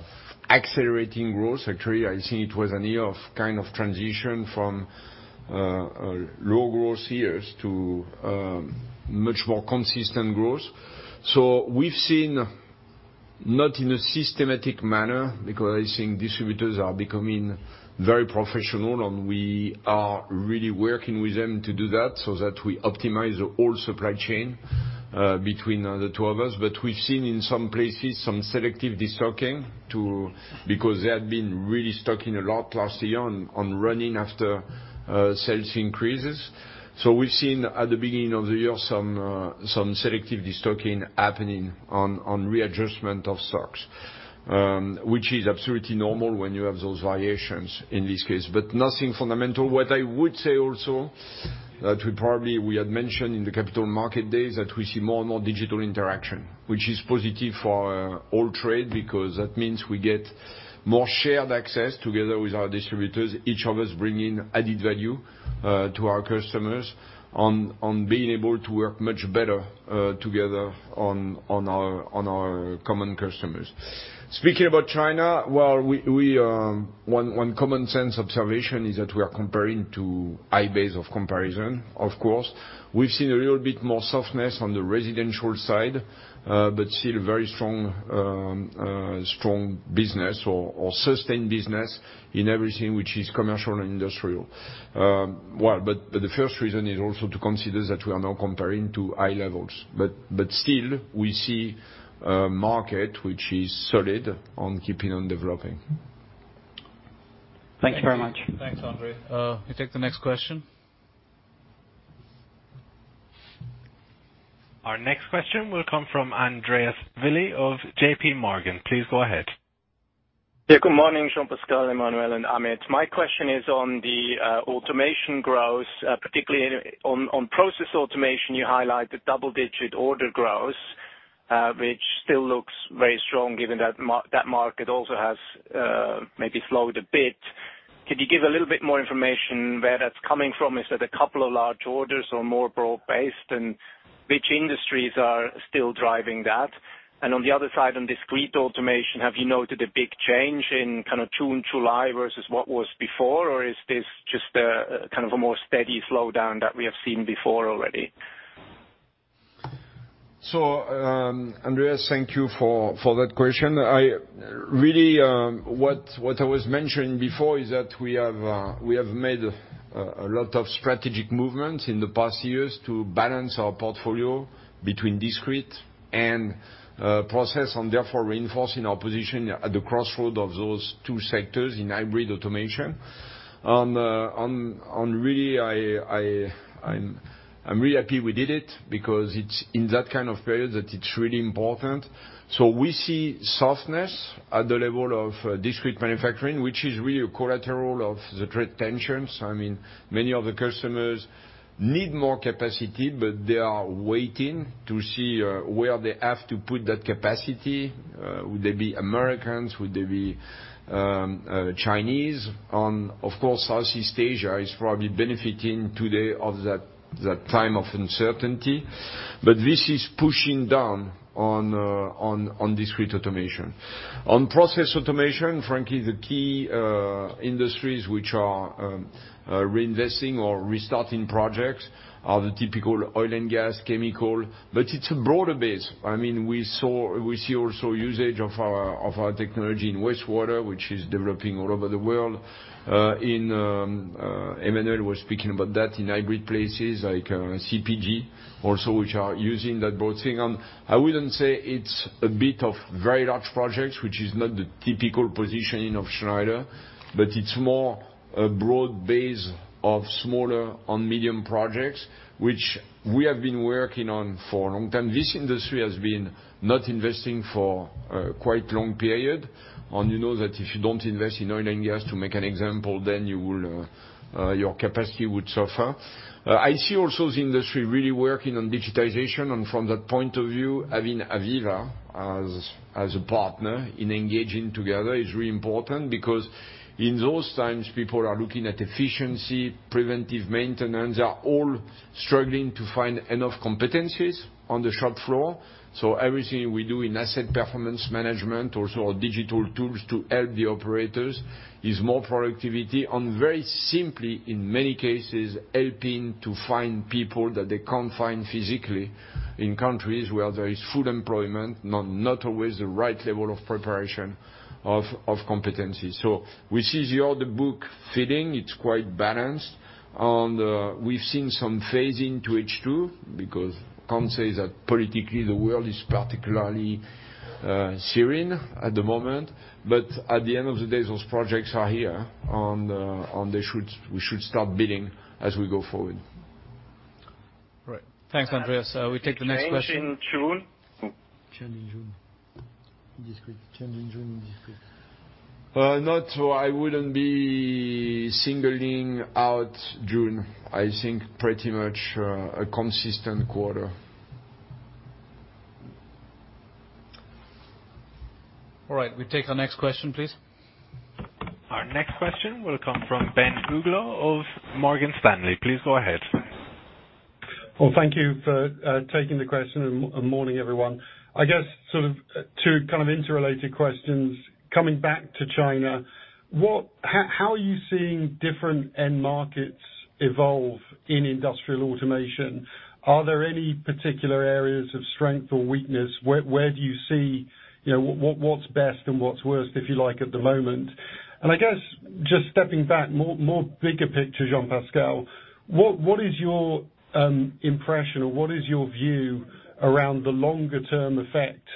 accelerating growth. I think it was a year of kind of transition from low growth years to much more consistent growth. We've seen, not in a systematic manner, because I think distributors are becoming very professional, and we are really working with them to do that so that we optimize the whole supply chain between the two of us. We've seen in some places some selective de-stocking, because they had been really stocking a lot last year on running after sales increases. We've seen at the beginning of the year some selective de-stocking happening on readjustment of stocks, which is absolutely normal when you have those variations in this case, but nothing fundamental. What I would say also that we had mentioned in the Capital Market Days that we see more and more digital interaction, which is positive for all trade, because that means we get more shared access together with our distributors, each of us bringing added value to our customers on being able to work much better together on our common customers. Speaking about China, one common sense observation is that we are comparing to high base of comparison, of course. Still very strong business or sustained business in everything which is commercial and industrial. The first reason is also to consider that we are now comparing to high levels. Still, we see a market which is solid on keeping on developing. Thank you very much. Thanks, Andre. We take the next question. Our next question will come from Andreas Willi of JPMorgan. Please go ahead. Yeah, good morning, Jean-Pascal, Emmanuel, and Amit. My question is on the automation growth, particularly on process automation, you highlight the double-digit order growth, which still looks very strong given that market also has maybe slowed a bit. Could you give a little bit more information where that's coming from? Is it a couple of large orders or more broad-based, and which industries are still driving that? On the other side, on discrete automation, have you noted a big change in June, July versus what was before, or is this just a more steady slowdown that we have seen before already? Andreas, thank you for that question. Really, what I was mentioning before is that we have made a lot of strategic movements in the past years to balance our portfolio between discrete and process, and therefore reinforcing our position at the crossroad of those two sectors in hybrid automation. I'm really happy we did it because it's in that kind of period that it's really important. We see softness at the level of discrete manufacturing, which is really a collateral of the trade tensions. Many of the customers need more capacity, but they are waiting to see where they have to put that capacity. Would they be Americans, would they be Chinese? Of course, Southeast Asia is probably benefiting today of that time of uncertainty. This is pushing down on discrete automation. On process automation, frankly, the key industries which are reinvesting or restarting projects are the typical oil and gas, chemical, but it's a broader base. We see also usage of our technology in wastewater, which is developing all over the world. Emmanuel was speaking about that in hybrid places like CPG also, which are using that broad thing. I wouldn't say it's a bit of very large projects, which is not the typical positioning of Schneider, but it's more a broad base of smaller and medium projects, which we have been working on for a long time. This industry has been not investing for a quite long period, and you know that if you don't invest in oil and gas to make an example, then your capacity would suffer. I see also the industry really working on digitization, and from that point of view, having AVEVA as a partner in engaging together is really important because in those times, people are looking at efficiency, preventive maintenance. They are all struggling to find enough competencies on the shop floor. Everything we do in asset performance management, also our digital tools to help the operators, is more productivity and very simply, in many cases, helping to find people that they can't find physically in countries where there is full employment, not always the right level of preparation of competencies. We see the order book filling. It's quite balanced, and we've seen some phasing to H2 because can't say that politically the world is particularly serene at the moment, but at the end of the day, those projects are here, and we should start bidding as we go forward. Right. Thanks, Andreas. We take the next question. Change in June? Change in June. Discrete. Change in June in Discrete. Not, I wouldn't be singling out June. I think pretty much a consistent quarter. All right. We take our next question please. Our next question will come from Ben Uglow of Morgan Stanley. Please go ahead. Well, thank you for taking the question, and morning, everyone. I guess sort of two kind of interrelated questions. Coming back to China, how are you seeing different end markets evolve in industrial automation? Are there any particular areas of strength or weakness? Where do you see what's best and what's worst, if you like, at the moment? I guess just stepping back, more bigger picture, Jean-Pascal, what is your impression or what is your view around the longer-term effect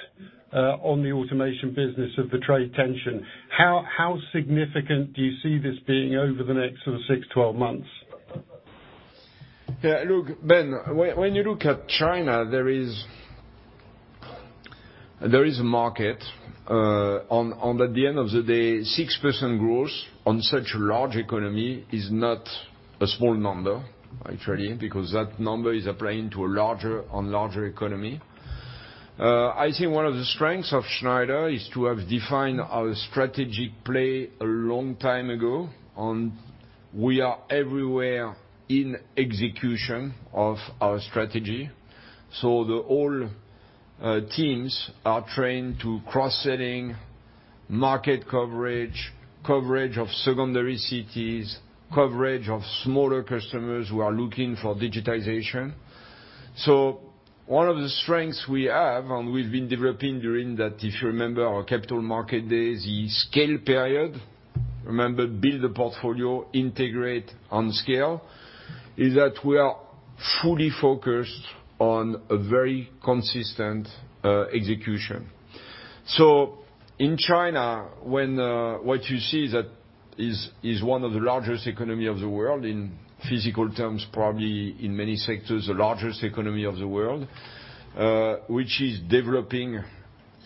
on the automation business of the trade tension? How significant do you see this being over the next sort of six, 12 months? Yeah, look, Ben, when you look at China, there is a market, and at the end of the day, 6% growth on such a large economy is not a small number, actually, because that number is applying to a larger economy. I think one of the strengths of Schneider is to have defined our strategic play a long time ago, and we are everywhere in execution of our strategy. All teams are trained to cross-selling, market coverage of secondary cities, coverage of smaller customers who are looking for digitization. One of the strengths we have, and we've been developing during that, if you remember our Capital Market Day, the scale period, remember, build a portfolio, integrate on scale, is that we are fully focused on a very consistent execution. In China, what you see is one of the largest economy of the world, in physical terms, probably in many sectors, the largest economy of the world, which is developing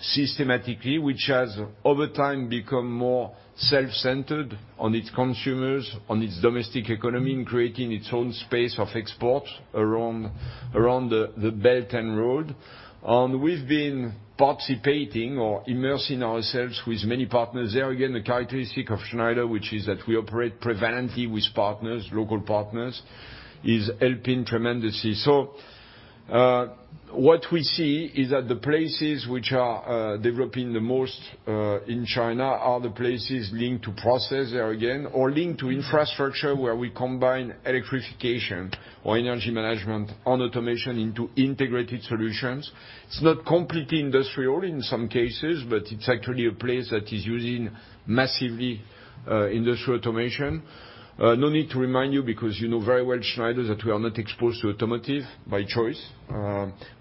systematically, which has, over time, become more self-centered on its consumers, on its domestic economy, and creating its own space of export around the Belt and Road. We've been participating or immersing ourselves with many partners there. The characteristic of Schneider, which is that we operate prevalently with partners, local partners, is helping tremendously. What we see is that the places which are developing the most in China are the places linked to process there again, or linked to infrastructure, where we combine electrification or energy management and automation into integrated solutions. It's not completely industrial in some cases, but it's actually a place that is using massively industrial automation. No need to remind you because you know very well Schneider, that we are not exposed to automotive by choice,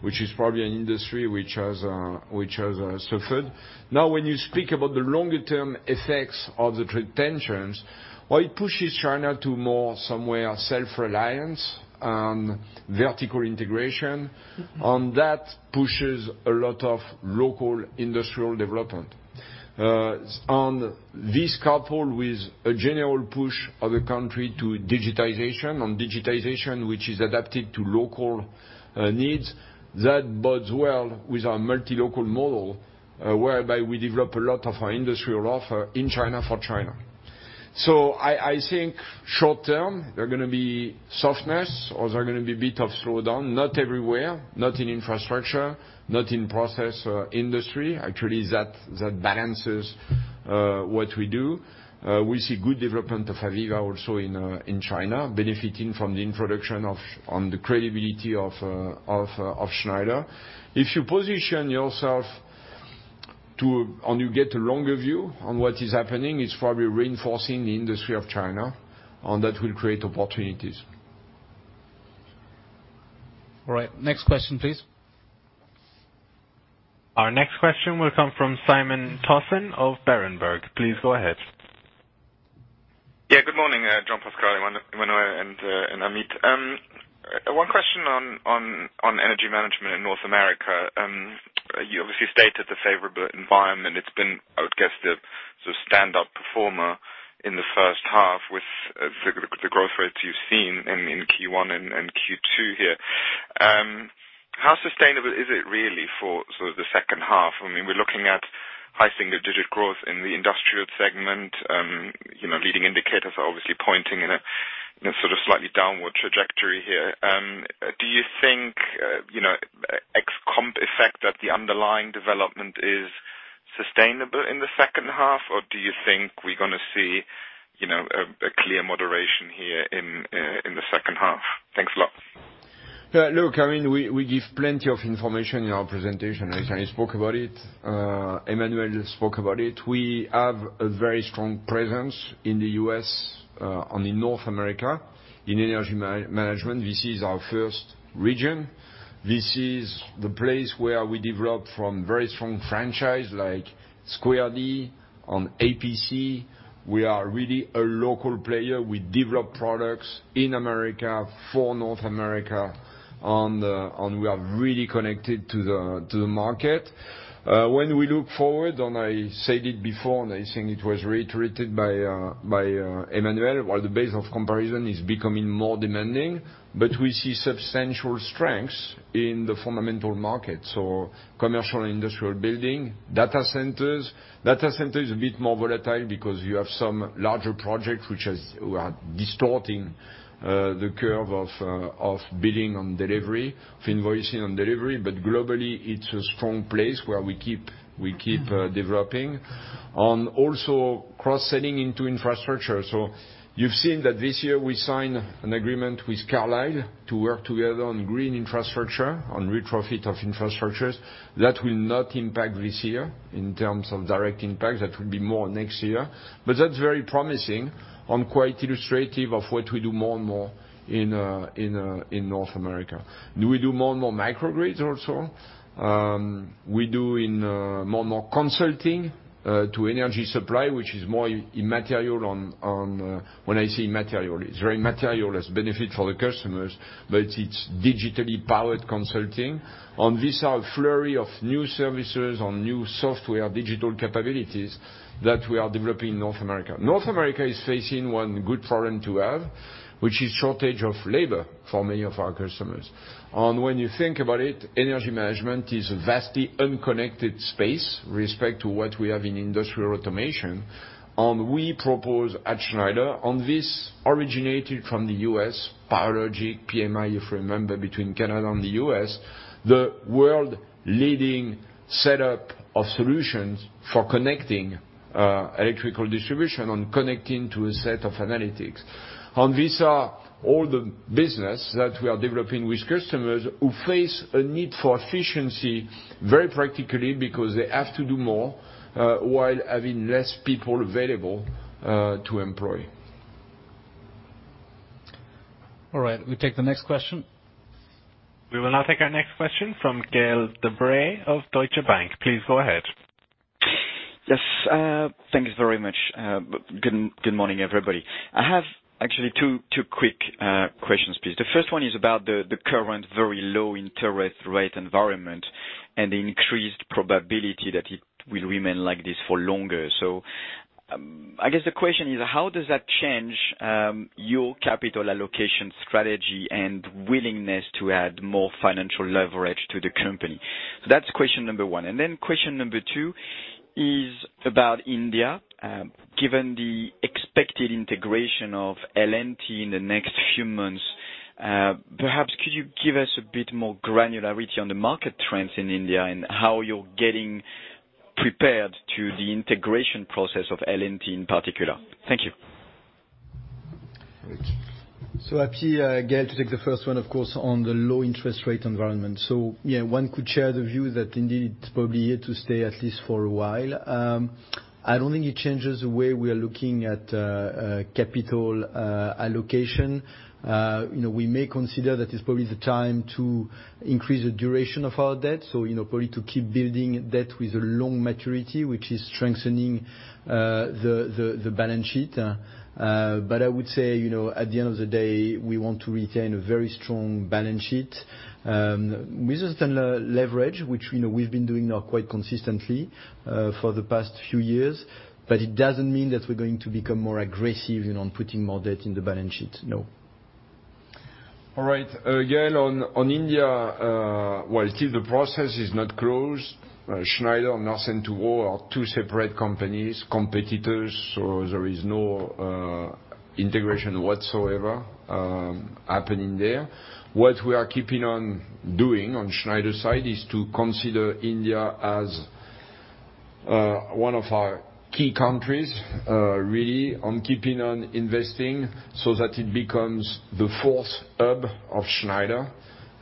which is probably an industry which has suffered. When you speak about the longer-term effects of the trade tensions, while it pushes China to more self-reliance and vertical integration, that pushes a lot of local industrial development. This coupled with a general push of the country to digitization, and digitization which is adapted to local needs, that bodes well with our multi-local model, whereby we develop a lot of our industrial offer in China for China. I think short term, there are going to be softness or there are going to be a bit of slowdown, not everywhere, not in infrastructure, not in process industry. Actually, that balances what we do. We see good development of AVEVA also in China, benefiting from the credibility of Schneider. If you position yourself and you get a longer view on what is happening, it's probably reinforcing the industry of China, and that will create opportunities. All right. Next question, please. Our next question will come from Simon Toennessen of Berenberg. Please go ahead. Good morning, Jean-Pascal, Emmanuel, and Amit. One question on energy management in North America. You obviously stated the favorable environment. It's been, I would guess, the sort of standup performer in the first half with the growth rates you've seen in Q1 and Q2 here. How sustainable is it really for sort of the second half? We're looking at high single-digit growth in the industrial segment. Leading indicators are obviously pointing in a sort of slightly downward trajectory here. Do you think ex comp effect that the underlying development is sustainable in the second half, or do you think we're going to see a clear moderation here in the second half? Thanks a lot. Look, we give plenty of information in our presentation. I spoke about it, Emmanuel spoke about it. We have a very strong presence in the U.S., and in North America in energy management. This is our first region. This is the place where we develop from very strong franchise like Square D and APC. We are really a local player. We develop products in America for North America, and we are really connected to the market. When we look forward, and I said it before, and I think it was reiterated by Emmanuel, while the base of comparison is becoming more demanding, but we see substantial strengths in the fundamental market. Commercial industrial building, data centers. Data center is a bit more volatile because you have some larger projects which are distorting the curve of billing and delivery, of invoicing and delivery. Globally, it's a strong place where we keep developing. Also cross-selling into infrastructure. You've seen that this year we sign an agreement with Carlyle to work together on green infrastructure, on retrofit of infrastructures. That will not impact this year in terms of direct impact. That will be more next year. That's very promising and quite illustrative of what we do more and more in North America. Do we do more and more microgrids also? We do in more consulting, to energy supply, which is more immaterial, when I say immaterial, it's very material as benefit for the customers, but it's digitally powered consulting. On this, are a flurry of new services and new software digital capabilities that we are developing in North America. North America is facing one good problem to have, which is shortage of labor for many of our customers. When you think about it, energy management is a vastly unconnected space with respect to what we have in industrial automation, and we propose at Schneider, and this originated from the U.S., PowerLogic, PMI, if you remember, between Canada and the U.S., the world leading setup of solutions for connecting electrical distribution and connecting to a set of analytics. These are all the business that we are developing with customers who face a need for efficiency very practically because they have to do more, while having less people available to employ. All right. We take the next question. We will now take our next question from Gaël De Bray of Deutsche Bank. Please go ahead. Yes, thanks very much. Good morning, everybody. I have actually two quick questions, please. The first one is about the current very low interest rate environment and the increased probability that it will remain like this for longer. I guess the question is, how does that change your capital allocation strategy and willingness to add more financial leverage to the company? That's question number one. Question number two is about India. Given the expected integration of L&T in the next few months, perhaps could you give us a bit more granularity on the market trends in India and how you're getting prepared to the integration process of L&T in particular? Thank you. [Happy], Gaël, to take the first one, of course, on the low interest rate environment. One could share the view that indeed it's probably here to stay, at least for a while. I don't think it changes the way we are looking at capital allocation. We may consider that it's probably the time to increase the duration of our debt. Probably to keep building debt with a long maturity, which is strengthening the balance sheet. I would say, at the end of the day, we want to retain a very strong balance sheet, with a standard leverage, which we've been doing now quite consistently for the past few years. It doesn't mean that we're going to become more aggressive on putting more debt on the balance sheet. No. All right. Gaël, on India, while still the process is not closed, Schneider and Larsen & Toubro are two separate companies, competitors. There is no integration whatsoever happening there. What we are keeping on doing on Schneider side is to consider India as one of our key countries, really on keeping on investing so that it becomes the fourth hub of Schneider.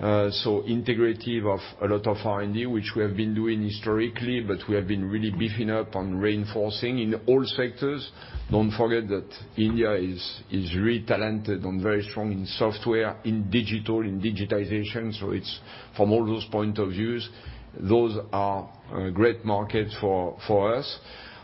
Integrative of a lot of R&D, which we have been doing historically, but we have been really beefing up on reinforcing in all sectors. Don't forget that India is really talented and very strong in software, in digital, in digitization. It's from all those point of views, those are great markets for us.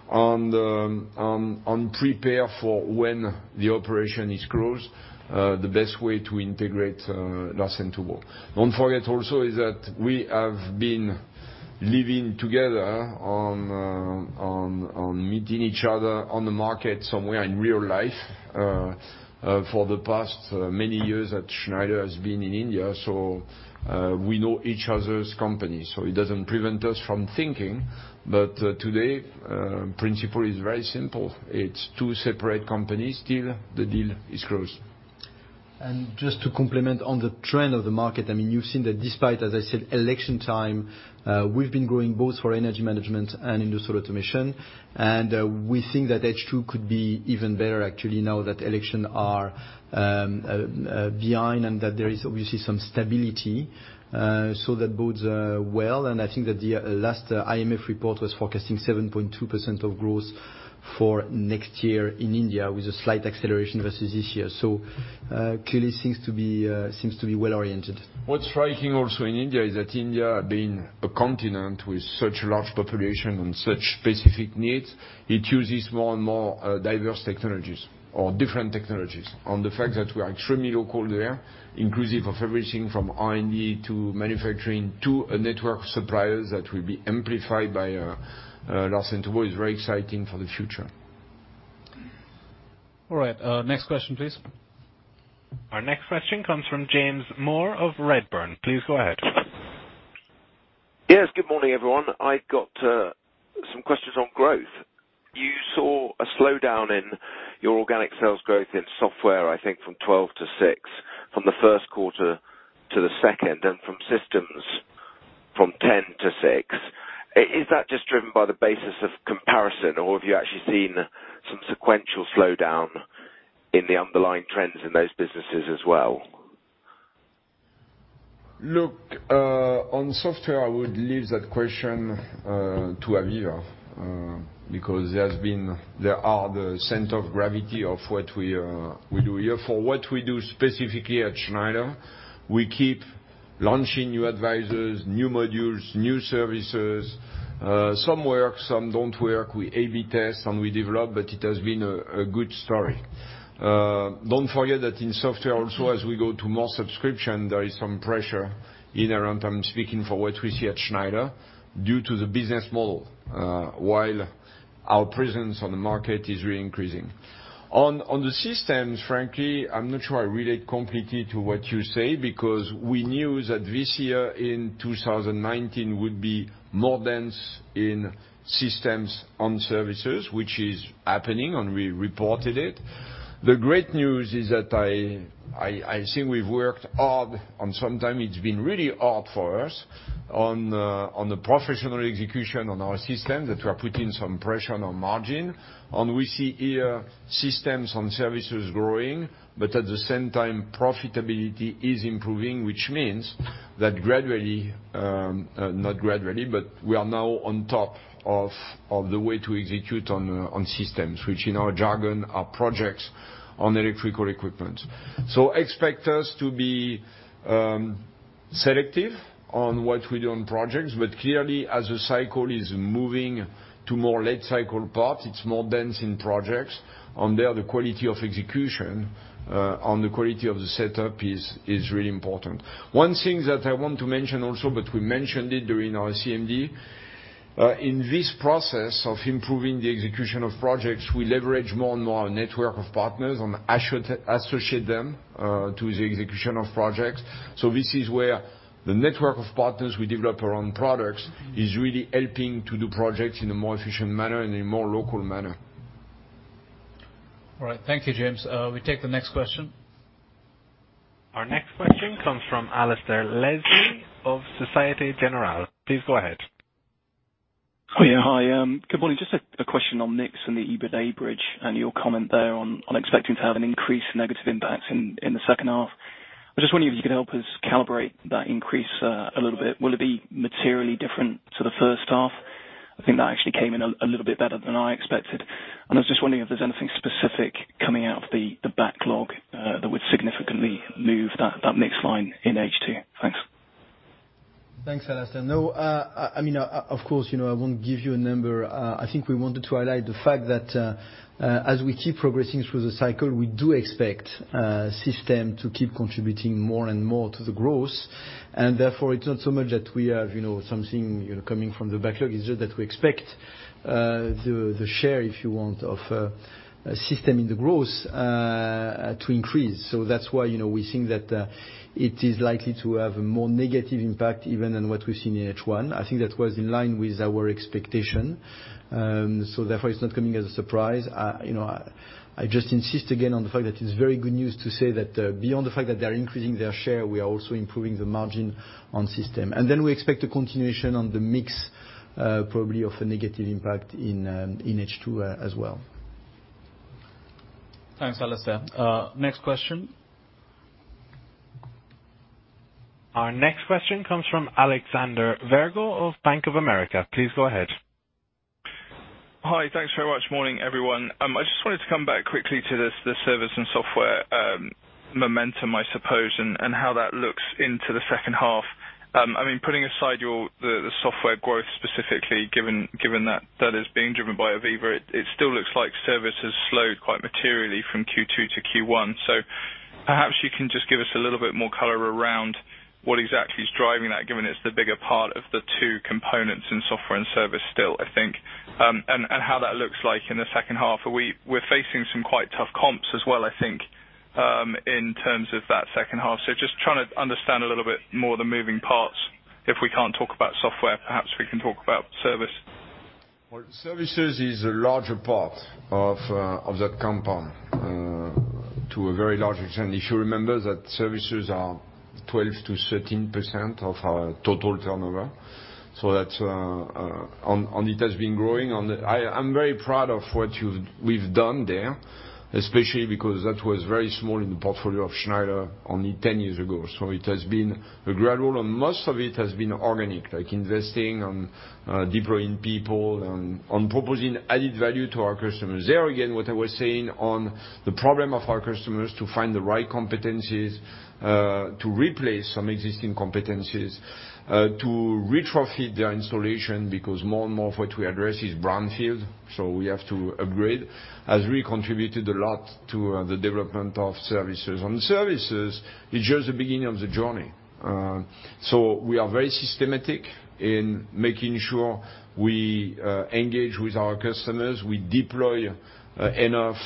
On prepare for when the operation is closed, the best way to integrate Larsen & Toubro. Don't forget also is that we have been living together and meeting each other on the market somewhere in real life, for the past many years that Schneider has been in India. We know each other's company, so it doesn't prevent us from thinking. Today, principle is very simple. It's two separate companies till the deal is closed. Just to complement on the trend of the market. You've seen that despite, as I said, election time, we've been growing both for energy management and industrial automation. We think that H2 could be even better actually now that election are behind and that there is obviously some stability, so that bodes well. I think that the last IMF report was forecasting 7.2% of growth for next year in India with a slight acceleration versus this year. Clearly seems to be well oriented. What's striking also in India is that India being a continent with such large population and such specific needs, it uses more and more diverse technologies or different technologies on the fact that we are extremely local there, inclusive of everything from R&D to manufacturing, to a network suppliers that will be amplified by Larsen & Toubro is very exciting for the future. All right. Next question please. Our next question comes from James Moore of Redburn. Please go ahead. Yes. Good morning, everyone. I've got some questions on growth. You saw a slowdown in your organic sales growth in software, I think from 12 to six from the first quarter to the second, and from systems from 10 to six. Is that just driven by the basis of comparison or have you actually seen some sequential slowdown in the underlying trends in those businesses as well? Look, on software, I would leave that question to AVEVA, because they are the center of gravity of what we do here. For what we do specifically at Schneider, we keep launching new advisors, new modules, new services. Some work, some don't work. We AB test and we develop, but it has been a good story. Don't forget that in software also as we go to more subscription, there is some pressure in around, I'm speaking for what we see at Schneider, due to the business model, while our presence on the market is really increasing. On the systems, frankly, I'm not sure I relate completely to what you say because we knew that this year in 2019 would be more dense in systems on services, which is happening, and we reported it. The great news is that I think we've worked hard, and sometimes it's been really hard for us on the professional execution on our system that we are putting some pressure on margin. We see here systems and services growing. At the same time, profitability is improving, which means that gradually, not gradually, we are now on top of the way to execute on systems, which in our jargon are projects on electrical equipment. Expect us to be selective on what we do on projects. Clearly as the cycle is moving to more late cycle parts, it's more dense in projects. On there, the quality of execution, on the quality of the setup is really important. One thing that I want to mention also, we mentioned it during our CMD, in this process of improving the execution of projects, we leverage more and more our network of partners and associate them to the execution of projects. This is where the network of partners we develop around products is really helping to do projects in a more efficient manner and in a more local manner. All right. Thank you, James. We take the next question. Our next question comes from Alasdair Leslie of Societe Generale. Please go ahead. Oh yeah, hi. Good morning. Just a question on mix and the EBITDA bridge and your comment there on expecting to have an increased negative impact in the second half. I just wonder if you could help us calibrate that increase a little bit. Will it be materially different to the first half? I think that actually came in a little bit better than I expected. I was just wondering if there's anything specific coming out of the backlog, that would significantly move that mix line in H2. Thanks. Thanks, Alasdair. Of course, I won't give you a number. I think we wanted to highlight the fact that as we keep progressing through the cycle, we do expect System to keep contributing more and more to the growth. Therefore, it's not so much that we have something coming from the backlog, it's just that we expect the share, if you want, of System in the growth to increase. That's why we think that it is likely to have a more negative impact even than what we've seen in H1. I think that was in line with our expectation. Therefore, it's not coming as a surprise. I just insist again on the fact that it's very good news to say that beyond the fact that they're increasing their share, we are also improving the margin on System. We expect a continuation on the mix, probably of a negative impact in H2 as well. Thanks, Alasdair. Next question? Our next question comes from Alexander Virgo of Bank of America. Please go ahead. Hi. Thanks very much. Morning, everyone. I just wanted to come back quickly to the service and software momentum, I suppose, and how that looks into the second half. Putting aside the software growth specifically, given that that is being driven by AVEVA, it still looks like service has slowed quite materially from Q2 to Q1. Perhaps you can just give us a little bit more color around what exactly is driving that, given it's the bigger part of the two components in software and service still, I think. How that looks like in the second half. We're facing some quite tough comps as well, I think, in terms of that second half. Just trying to understand a little bit more the moving parts. If we can't talk about software, perhaps we can talk about service. Well, services is a larger part of that compound to a very large extent. If you remember that services are 12%-13% of our total turnover. It has been growing. I'm very proud of what we've done there, especially because that was very small in the portfolio of Schneider only 10 years ago. It has been gradual, and most of it has been organic, like investing on deploying people and on proposing added value to our customers. There, again, what I was saying on the problem of our customers to find the right competencies, to replace some existing competencies, to retrofit their installation, because more and more of what we address is brownfield, so we have to upgrade, has really contributed a lot to the development of services. On services, it's just the beginning of the journey. We are very systematic in making sure we engage with our customers. We deploy enough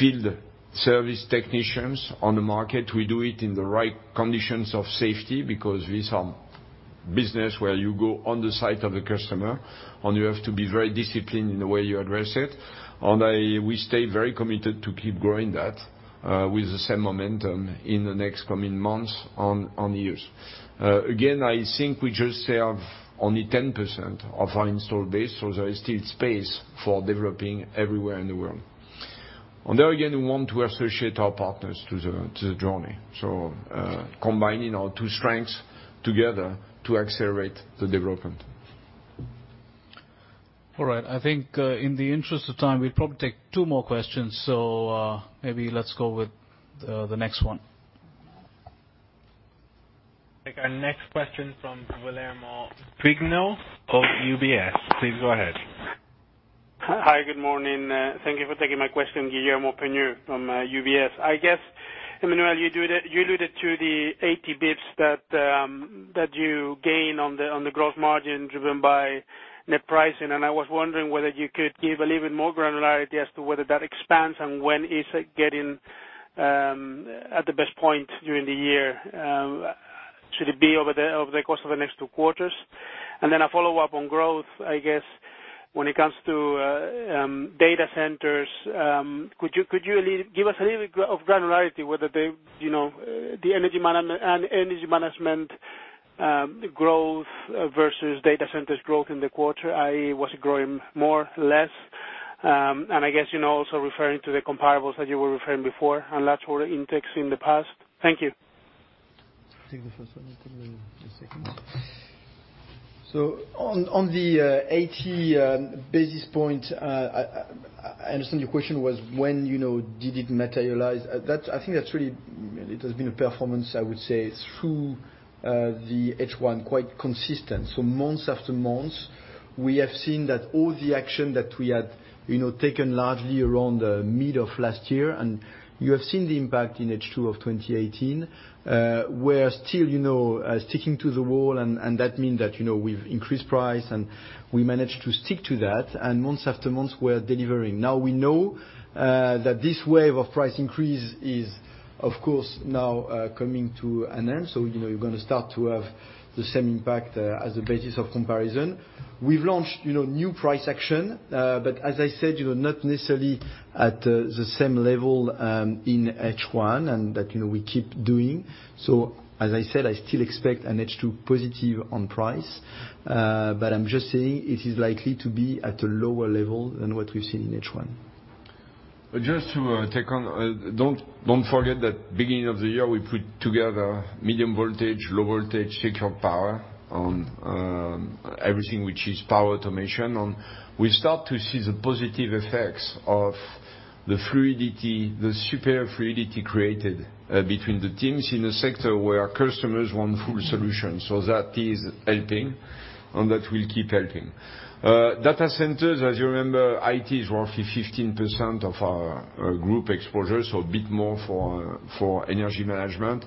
field service technicians on the market. We do it in the right conditions of safety because these are business where you go on the site of the customer, and you have to be very disciplined in the way you address it. We stay very committed to keep growing that, with the same momentum in the next coming months and years. Again, I think we just serve only 10% of our installed base, so there is still space for developing everywhere in the world. There, again, we want to associate our partners to the journey, combining our two strengths together to accelerate the development. All right. I think in the interest of time, we'll probably take two more questions. Maybe let's go with the next one. Take our next question from Guillermo Peigneux of UBS. Please go ahead. Hi. Good morning. Thank you for taking my question, Guillermo Peigneux from UBS. I guess, Emmanuel, you alluded to the 80 basis points that you gain on the growth margin driven by net pricing, and I was wondering whether you could give a little bit more granularity as to whether that expands and when is it getting at the best point during the year. Should it be over the course of the next two quarters? A follow-up on growth, I guess, when it comes to data centers, could you give us a little of granularity whether the energy management growth versus data centers growth in the quarter, i.e., was it growing more, less? I guess, also referring to the comparables that you were referring before and larger intakes in the past. Thank you. Take the first one, and then the second one. On the 80 basis point, I understand your question was when did it materialize? I think it has been a performance, I would say, through the H1, quite consistent. Month after month, we have seen that all the action that we had taken largely around the mid of last year, and you have seen the impact in H2 of 2018. We're still sticking to the wall, and that mean that we've increased price and we managed to stick to that, and month after month, we're delivering. We know that this wave of price increase is, of course, now coming to an end. You're going to start to have the same impact as the basis of comparison. We've launched new price action, but as I said, not necessarily at the same level in H1, and that we keep doing. As I said, I still expect an H2 positive on price. I'm just saying it is likely to be at a lower level than what we've seen in H1. Just to take on, don't forget that beginning of the year, we put together medium voltage, low voltage, secure power on everything which is power automation. We start to see the positive effects of the fluidity, the superior fluidity created between the teams in a sector where our customers want full solutions. That is helping, and that will keep helping. Data centers, as you remember, IT is roughly 15% of our group exposure, so a bit more for energy management,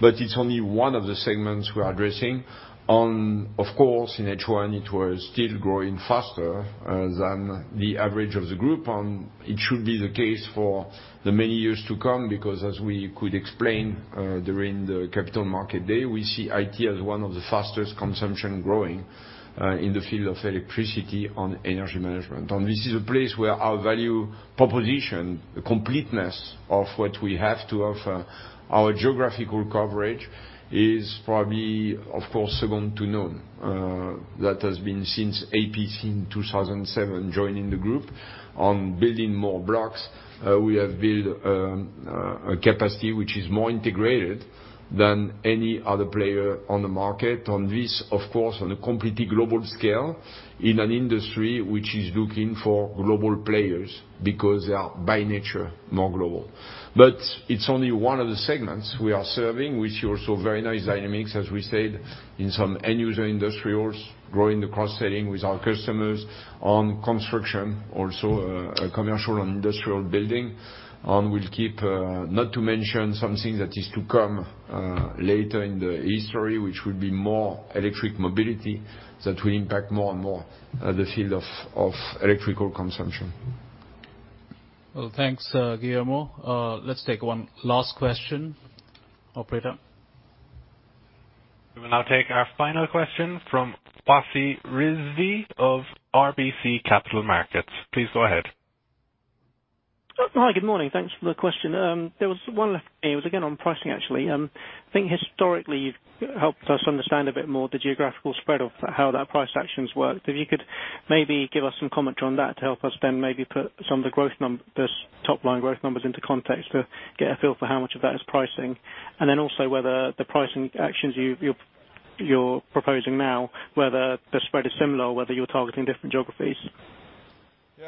but it's only one of the segments we are addressing. Of course, in H1, it was still growing faster than the average of the group, and it should be the case for the many years to come because as we could explain, during the Capital Market Day, we see IT as one of the fastest consumption growing, in the field of electricity on energy management. This is a place where our value proposition, the completeness of what we have to offer, our geographical coverage is probably, of course, second to none. That has been since APC in 2007, joining the group on building more blocks. We have built a capacity which is more integrated than any other player on the market. This, of course, on a completely global scale in an industry which is looking for global players because they are, by nature, more global. It's only one of the segments we are serving. We see also very nice dynamics, as we said, in some end user industrials, growing the cross-selling with our customers on construction, also, commercial and industrial building. We'll keep, not to mention something that is to come later in the history, which will be more electric mobility that will impact more and more the field of electrical consumption. Well, thanks, Guillermo. Let's take one last question. Operator. We will now take our final question from Wasi Rizvi of RBC Capital Markets. Please go ahead. Hi, good morning. Thanks for the question. There was one left for me. It was again on pricing, actually. I think historically you've helped us understand a bit more the geographical spread of how that price actions worked. If you could maybe give us some comment on that to help us then maybe put some of those top-line growth numbers into context to get a feel for how much of that is pricing. Whether the pricing actions you're proposing now, whether the spread is similar or whether you're targeting different geographies.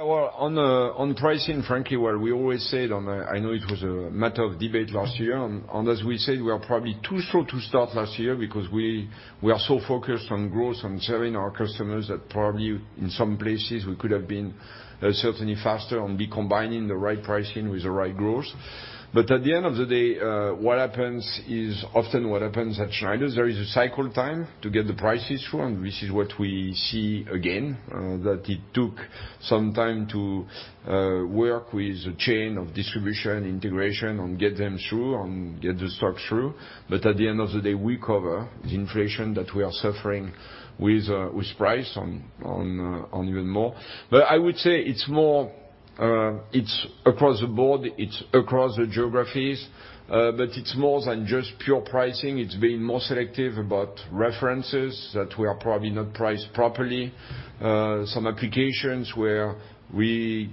Well, on pricing, frankly, while we always said I know it was a matter of debate last year, and as we said, we are probably too slow to start last year because we are so focused on growth, on serving our customers that probably in some places we could have been certainly faster and be combining the right pricing with the right growth. But at the end of the day, what happens is often what happens at Schneider, there is a cycle time to get the prices through. This is what we see again, that it took some time to work with the chain of distribution, integration, and get them through and get the stock through. But at the end of the day, we cover the inflation that we are suffering with price on even more. I would say it's across the board, it's across the geographies, but it's more than just pure pricing. It's being more selective about references that were probably not priced properly. Some applications where we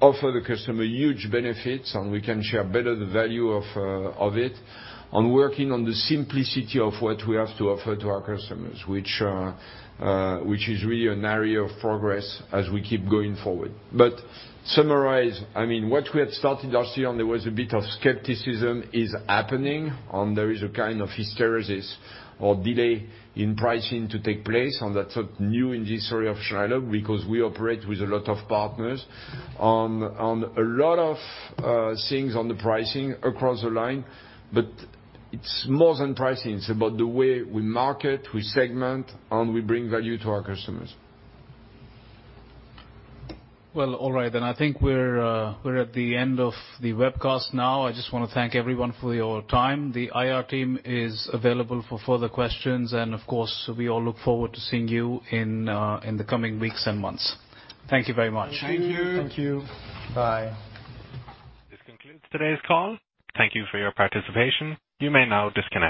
offer the customer huge benefits, and we can share better the value of it, and working on the simplicity of what we have to offer to our customers, which is really an area of progress as we keep going forward. Summarize, what we had started last year, and there was a bit of skepticism is happening, and there is a kind of hysteresis or delay in pricing to take place. That's new in the history of Schneider because we operate with a lot of partners on a lot of things on the pricing across the line. It's more than pricing. It's about the way we market, we segment, and we bring value to our customers. Well, all right then. I think we're at the end of the webcast now. I just want to thank everyone for your time. The IR team is available for further questions, and of course, we all look forward to seeing you in the coming weeks and months. Thank you very much. Thank you. Thank you. Bye. This concludes today's call. Thank you for your participation. You may now disconnect.